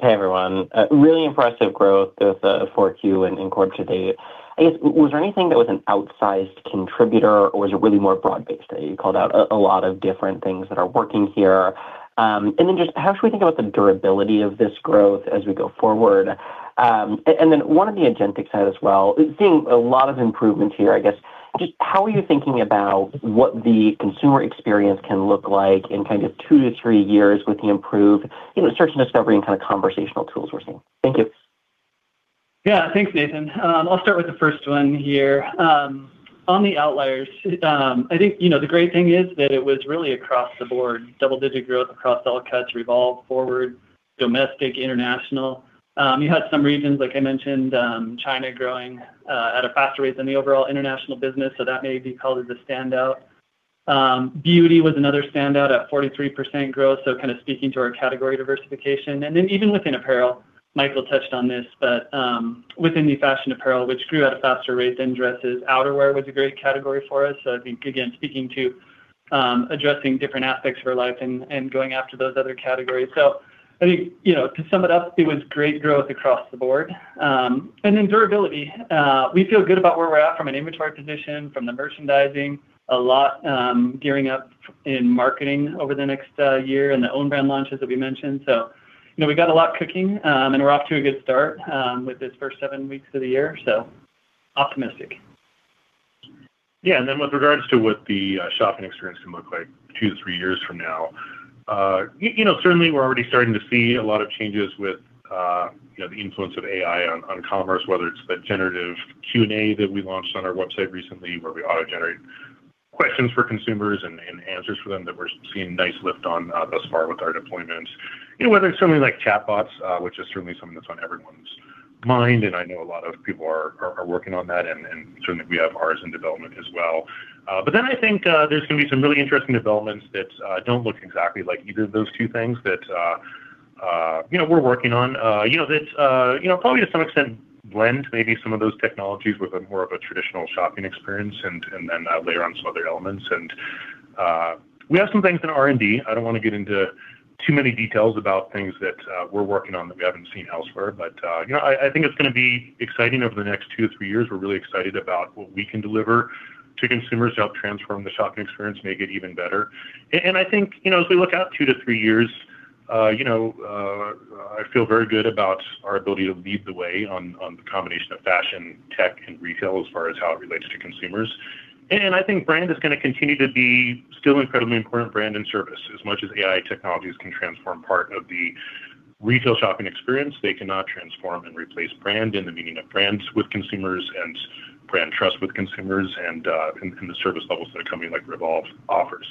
Hey, everyone. Really impressive growth with 4Q and in quarter to date. I guess, was there anything that was an outsized contributor, or was it really more broad-based? You called out a lot of different things that are working here. Just how should we think about the durability of this growth as we go forward? One on the agentic side as well, seeing a lot of improvement here, I guess, just how are you thinking about what the consumer experience can look like in kind of two to three years with the improved, you know, search and discovery and kind of conversational tools we're seeing? Thank you. Yeah. Thanks, Nathan. I'll start with the first one here. On the outliers, I think, you know, the great thing is that it was really across the board, double-digit growth across all cuts, REVOLVE, FWRD, domestic, international. You had some regions, like I mentioned, China growing at a faster rate than the overall international business, so that may be called as a standout. Beauty was another standout at 43% growth, so kind of speaking to our category diversification. Even within apparel, Michael touched on this, but within the fashion apparel, which grew at a faster rate than dresses, outerwear was a great category for us. I think, again, speaking to addressing different aspects for life and going after those other categories. I think, you know, to sum it up, it was great growth across the board. Durability, we feel good about where we're at from an inventory position, from the merchandising. A lot, gearing up in marketing over the next year and the own brand launches that we mentioned. You know, we got a lot cooking, and we're off to a good start with this first seven weeks of the year, so optimistic. Yeah. Then with regards to what the shopping experience can look like two to three years from now, you know, certainly we're already starting to see a lot of changes with, you know, the influence of AI on commerce, whether it's the generative Q&A that we launched on our website recently, where we auto-generate questions for consumers and answers for them, that we're seeing nice lift on thus far with our deployments. You know, whether it's something like chatbots, which is certainly something that's on everyone's mind, and I know a lot of people are working on that, and certainly we have ours in development as well. I think, there's gonna be some really interesting developments that don't look exactly like either of those two things that, you know, we're working on. You know, that, you know, probably to some extent blend maybe some of those technologies with a more of a traditional shopping experience and then layer on some other elements. We have some things in R&D. I don't wanna get into too many details about things that we're working on that we haven't seen elsewhere. You know, I think it's gonna be exciting over the next two to three years. We're really excited about what we can deliver to consumers to help transform the shopping experience, make it even better. I think, you know, as we look out two to three years, you know, I feel very good about our ability to lead the way on the combination of fashion, tech, and retail as far as how it relates to consumers. I think brand is gonna continue to be still incredibly important, brand and service. As much as AI technologies can transform part of the retail shopping experience, they cannot transform and replace brand and the meaning of brands with consumers and brand trust with consumers and the service levels that a company like Revolve offers.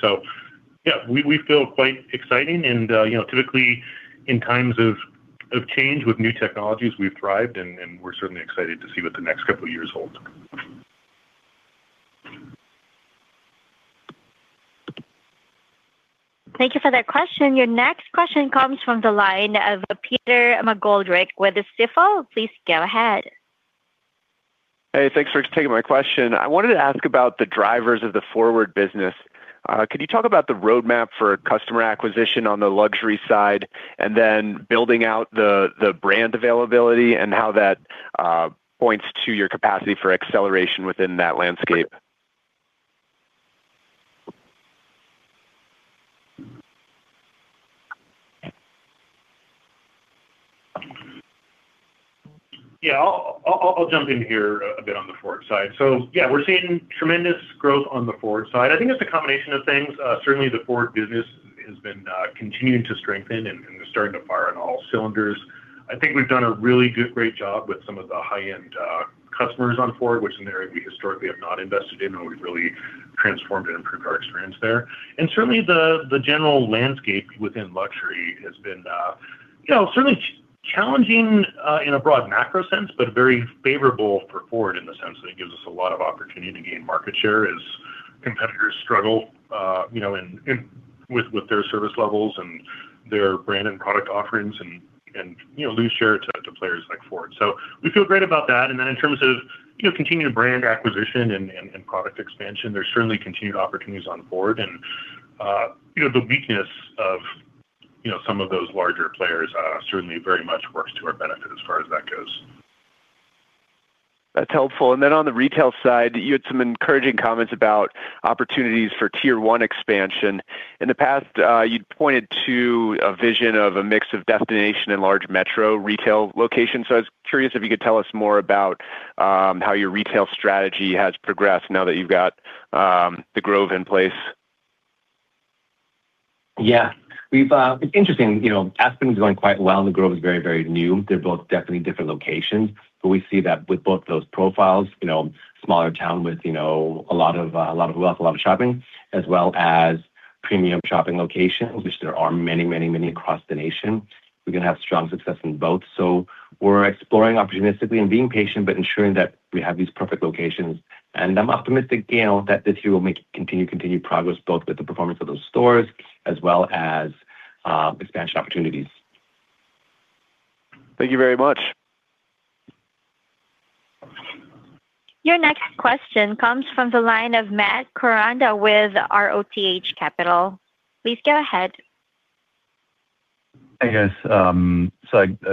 Yeah, we feel quite exciting and, you know, typically in times of change with new technologies, we've thrived and we're certainly excited to see what the next couple of years hold. Thank you for that question. Your next question comes from the line of Peter McGoldrick with Stifel. Please go ahead. Hey, thanks for taking my question. I wanted to ask about the drivers of the FWRD business. Could you talk about the roadmap for customer acquisition on the luxury side, and then building out the brand availability and how that points to your capacity for acceleration within that landscape? Yeah. I'll jump in here a bit on the FWRD side. Yeah, we're seeing tremendous growth on the FWRD side. I think it's a combination of things. Certainly the FWRD business has been continuing to strengthen and is starting to fire on all cylinders. I think we've done a really good, great job with some of the high-end customers on FWRD, which is an area we historically have not invested in, and we've really transformed and improved our experience there. Certainly, the general landscape within luxury has been, you know, certainly challenging in a broad macro sense, but very favorable for FWRD in the sense that it gives us a lot of opportunity to gain market share as competitors struggle, you know, in with their service levels and their brand and product offerings and, you know, lose share to players like FWRD. We feel great about that. In terms of, you know, continued brand acquisition and product expansion, there's certainly continued opportunities on board. You know, the weakness of, you know, some of those larger players certainly very much works to our benefit as far as that goes. That's helpful. Then on the retail side, you had some encouraging comments about opportunities for Tier 1 expansion. In the past, you pointed to a vision of a mix of destination and large metro retail locations. I was curious if you could tell us more about how your retail strategy has progressed now that you've got The Grove in place. Yeah. We've. It's interesting, you know, Aspen is doing quite well, and The Grove is very, very new. They're both definitely different locations, we see that with both those profiles, you know, smaller town with, you know, a lot of wealth, a lot of shopping, as well as premium shopping locations, which there are many, many, many across the nation. We can have strong success in both. We're exploring opportunistically and being patient, but ensuring that we have these perfect locations. I'm optimistic, you know, that this year we'll make continued progress, both with the performance of those stores as well as expansion opportunities. Thank you very much. Your next question comes from the line of Matt Koranda with ROTH Capital. Please go ahead. Hey, guys. A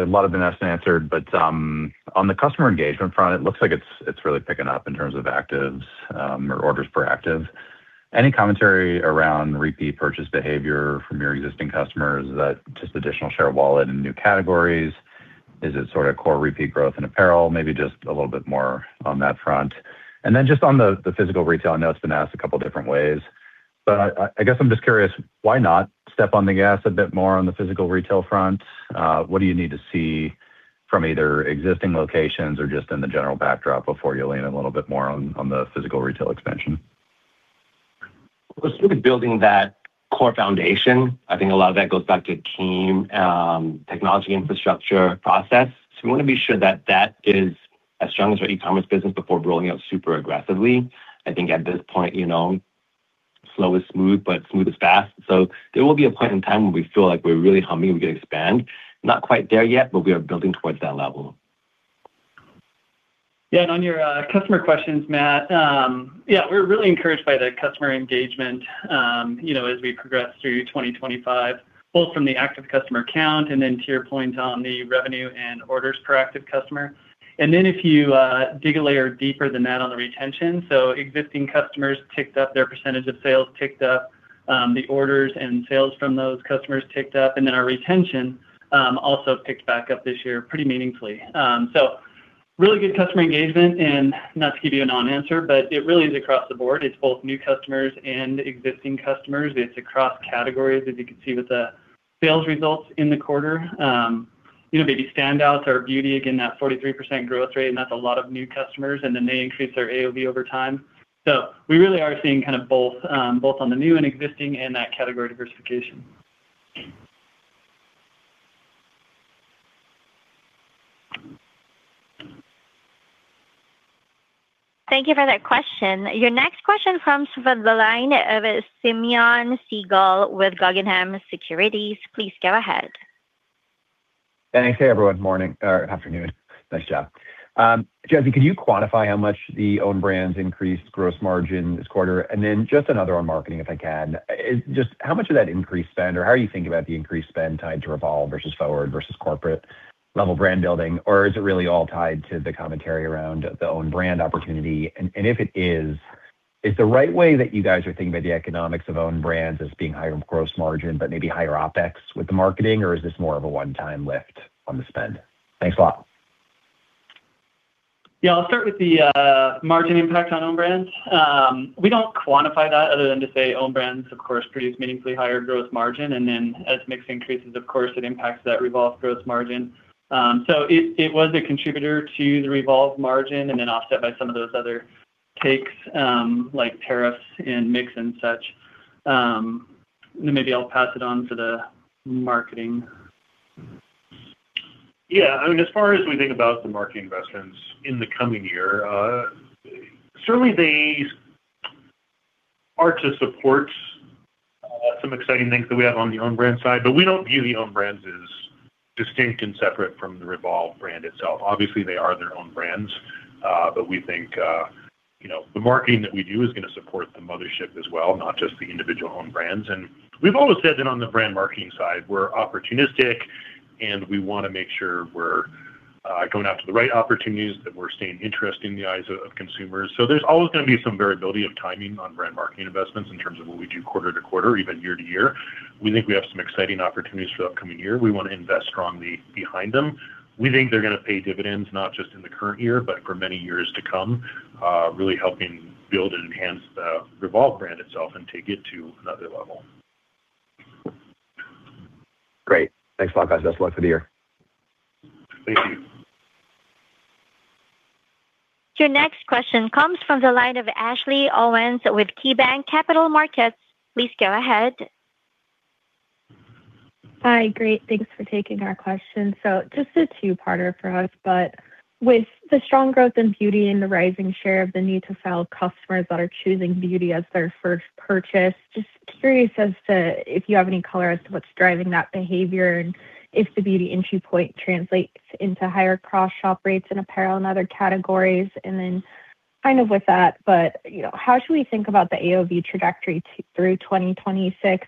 lot have been asked and answered, on the customer engagement front, it looks like it's really picking up in terms of actives, or orders per active. Any commentary around repeat purchase behavior from your existing customers? Is that just additional share of wallet and new categories? Is it sort of core repeat growth in apparel? Maybe just a little bit more on that front. Just on the physical retail, I know it's been asked a couple different ways, I guess I'm just curious, why not step on the gas a bit more on the physical retail front? What do you need to see from either existing locations or just in the general backdrop before you lean a little bit more on the physical retail expansion? We're still building that core foundation. I think a lot of that goes back to team, technology, infrastructure, process. We wanna be sure that that is as strong as our e-commerce business before rolling out super aggressively. I think at this point, you know, slow is smooth, but smooth is fast. There will be a point in time when we feel like we're really humming, and we can expand. Not quite there yet, but we are building towards that level. On your customer questions, Matt, we're really encouraged by the customer engagement, you know, as we progress through 2025, both from the active customer count and then to your point on the revenue and orders per active customer. If you dig a layer deeper than that on the retention, existing customers ticked up, their percentage of sales ticked up, the orders and sales from those customers ticked up, our retention also picked back up this year pretty meaningfully. Really good customer engagement, not to give you a non-answer, it really is across the board. It's both new customers and existing customers. It's across categories, as you can see with the sales results in the quarter. You know, maybe standouts are beauty. That 43% growth rate, and that's a lot of new customers, and then they increase their AOV over time. We really are seeing kind of both on the new and existing and that category diversification. Thank you for that question. Your next question comes from the line of Simeon Siegel with Guggenheim Securities. Please go ahead. Thanks. Hey, everyone. Morning or afternoon. Nice job. Jesse, can you quantify how much the own brands increased gross margin this quarter? Then just another on marketing, if I can. Just how much of that increased spend, or how are you thinking about the increased spend tied to REVOLVE versus FWRD versus corporate-level brand building? Is it really all tied to the commentary around the own brand opportunity? If it is the right way that you guys are thinking about the economics of own brands as being higher gross margin, but maybe higher OpEx with the marketing, or is this more of a one-time lift on the spend? Thanks a lot. Yeah, I'll start with the margin impact on own brands. We don't quantify that other than to say own brands, of course, produce meaningfully higher gross margin, and then as mix increases, of course, it impacts that Revolve gross margin. It was a contributor to the Revolve margin and then offset by some of those other takes, like tariffs and mix and such. Maybe I'll pass it on to the marketing. Yeah, I mean, as far as we think about the marketing investments in the coming year, certainly they are to support some exciting things that we have on the own brand side, but we don't view the own brands as distinct and separate from the Revolve brand itself. Obviously, they are their own brands, we think, you know, the marketing that we do is gonna support the mothership as well, not just the individual own brands. We've always said that on the brand marketing side, we're opportunistic, and we wanna make sure we're going after the right opportunities, that we're staying interesting in the eyes of consumers. There's always gonna be some variability of timing on brand marketing investments in terms of what we do quarter to quarter, even year to year. We think we have some exciting opportunities for the upcoming year. We wanna invest strongly behind them. We think they're gonna pay dividends, not just in the current year, but for many years to come, really helping build and enhance the Revolve brand itself and take it to another level. Great. Thanks a lot, guys. Best of luck for the year. Thank you. Your next question comes from the line of Ashley Owens with KeyBanc Capital Markets. Please go ahead. Hi. Great. Thanks for taking our question. Just a two-parter for us, but with the strong growth in beauty and the rising share of the need to sell customers that are choosing beauty as their first purchase, just curious as to if you have any color as to what's driving that behavior, and if the beauty entry point translates into higher cross-shop rates in apparel and other categories. Then kind of with that, you know, how should we think about the AOV trajectory through 2026?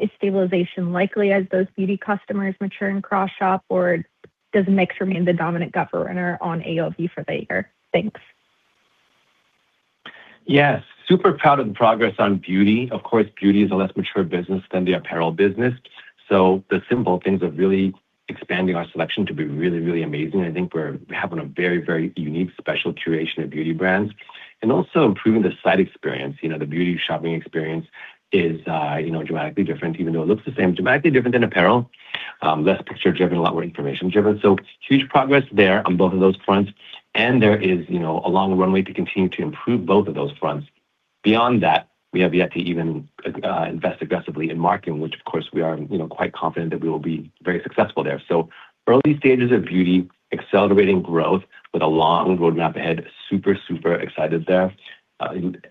Is stabilization likely as those beauty customers mature and cross-shop, or does mix remain the dominant gut runner on AOV for the year? Thanks. Yes, super proud of the progress on beauty. Of course, beauty is a less mature business than the apparel business, so the simple things of really expanding our selection to be really, really amazing. I think we're having a very, very unique, special curation of beauty brands and also improving the site experience. You know, the beauty shopping experience is, you know, dramatically different, even though it looks the same, dramatically different than apparel. Less picture driven, a lot more information driven. Huge progress there on both of those fronts. There is, you know, a long runway to continue to improve both of those fronts. Beyond that, we have yet to even invest aggressively in marketing, which of course, we are, you know, quite confident that we will be very successful there. Early stages of beauty, accelerating growth with a long roadmap ahead. Super excited there.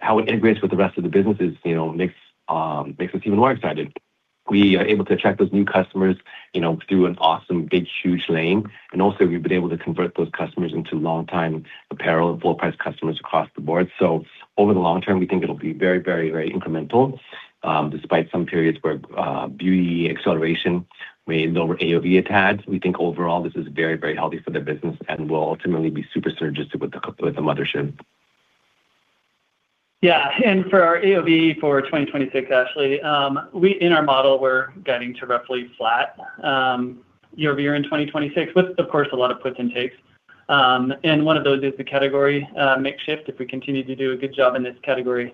How it integrates with the rest of the businesses, you know, makes us even more excited. We are able to attract those new customers, you know, through an awesome, big, huge lane, and also we've been able to convert those customers into long-time apparel and full price customers across the board. Over the long term, we think it'll be very, very, very incremental, despite some periods where beauty acceleration may lower AOV a tad. We think overall this is very, very healthy for the business and will ultimately be super synergistic with the mothership. Yeah, for our AOV for 2026, actually, we in our model, we're guiding to roughly flat, year-over-year in 2026, with, of course, a lot of puts and takes. One of those is the category mix shift. If we continue to do a good job in this category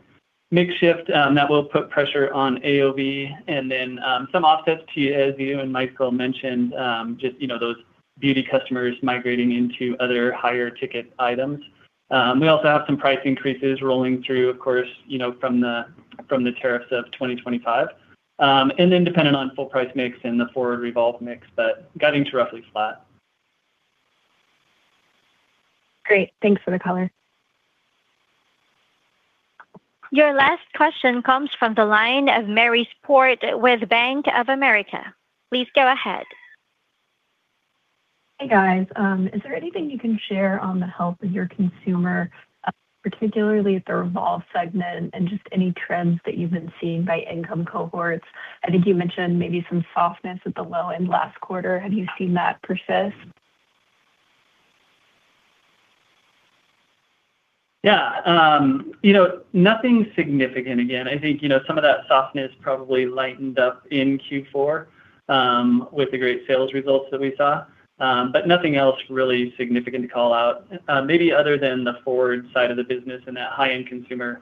mix shift, that will put pressure on AOV and then some offsets to, as you and Michael mentioned, just, you know, those beauty customers migrating into other higher ticket items. We also have some price increases rolling through, of course, you know, from the tariffs of 2025, and then dependent on full price mix and the FWRD, REVOLVE mix, but guiding to roughly flat. Great. Thanks for the color. Your last question comes from the line of Mary Sport with Bank of America. Please go ahead. Hey, guys. Is there anything you can share on the health of your consumer, particularly the REVOLVE segment and just any trends that you've been seeing by income cohorts? I think you mentioned maybe some softness at the low end last quarter. Have you seen that persist? Yeah. you know, nothing significant. Again, I think, you know, some of that softness probably lightened up in Q4, with the great sales results that we saw. Nothing else really significant to call out, maybe other than the FWRD side of the business and that high-end consumer,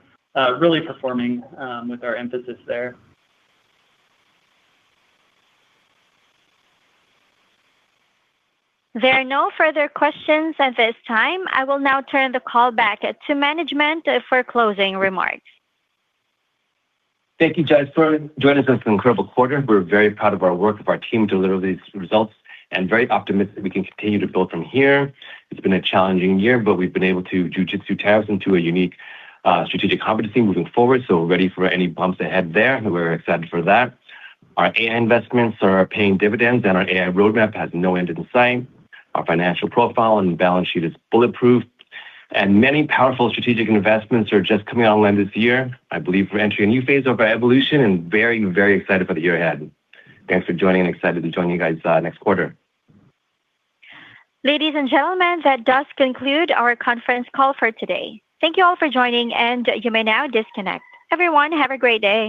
really performing, with our emphasis there. There are no further questions at this time. I will now turn the call back to management for closing remarks. Thank you, guys, for joining us. It's an incredible quarter. We're very proud of our work, of our team to deliver these results, and very optimistic we can continue to build from here. It's been a challenging year, but we've been able to jujitsu tabs into a unique strategic competency moving forward, so we're ready for any bumps ahead there, and we're excited for that. Our AI investments are paying dividends, and our AI roadmap has no end in sight. Our financial profile and balance sheet is bulletproof, and many powerful strategic investments are just coming online this year. I believe we're entering a new phase of our evolution and very, very excited for the year ahead. Thanks for joining, and excited to join you guys next quarter. Ladies and gentlemen, that does conclude our conference call for today. Thank you all for joining. You may now disconnect. Everyone, have a great day.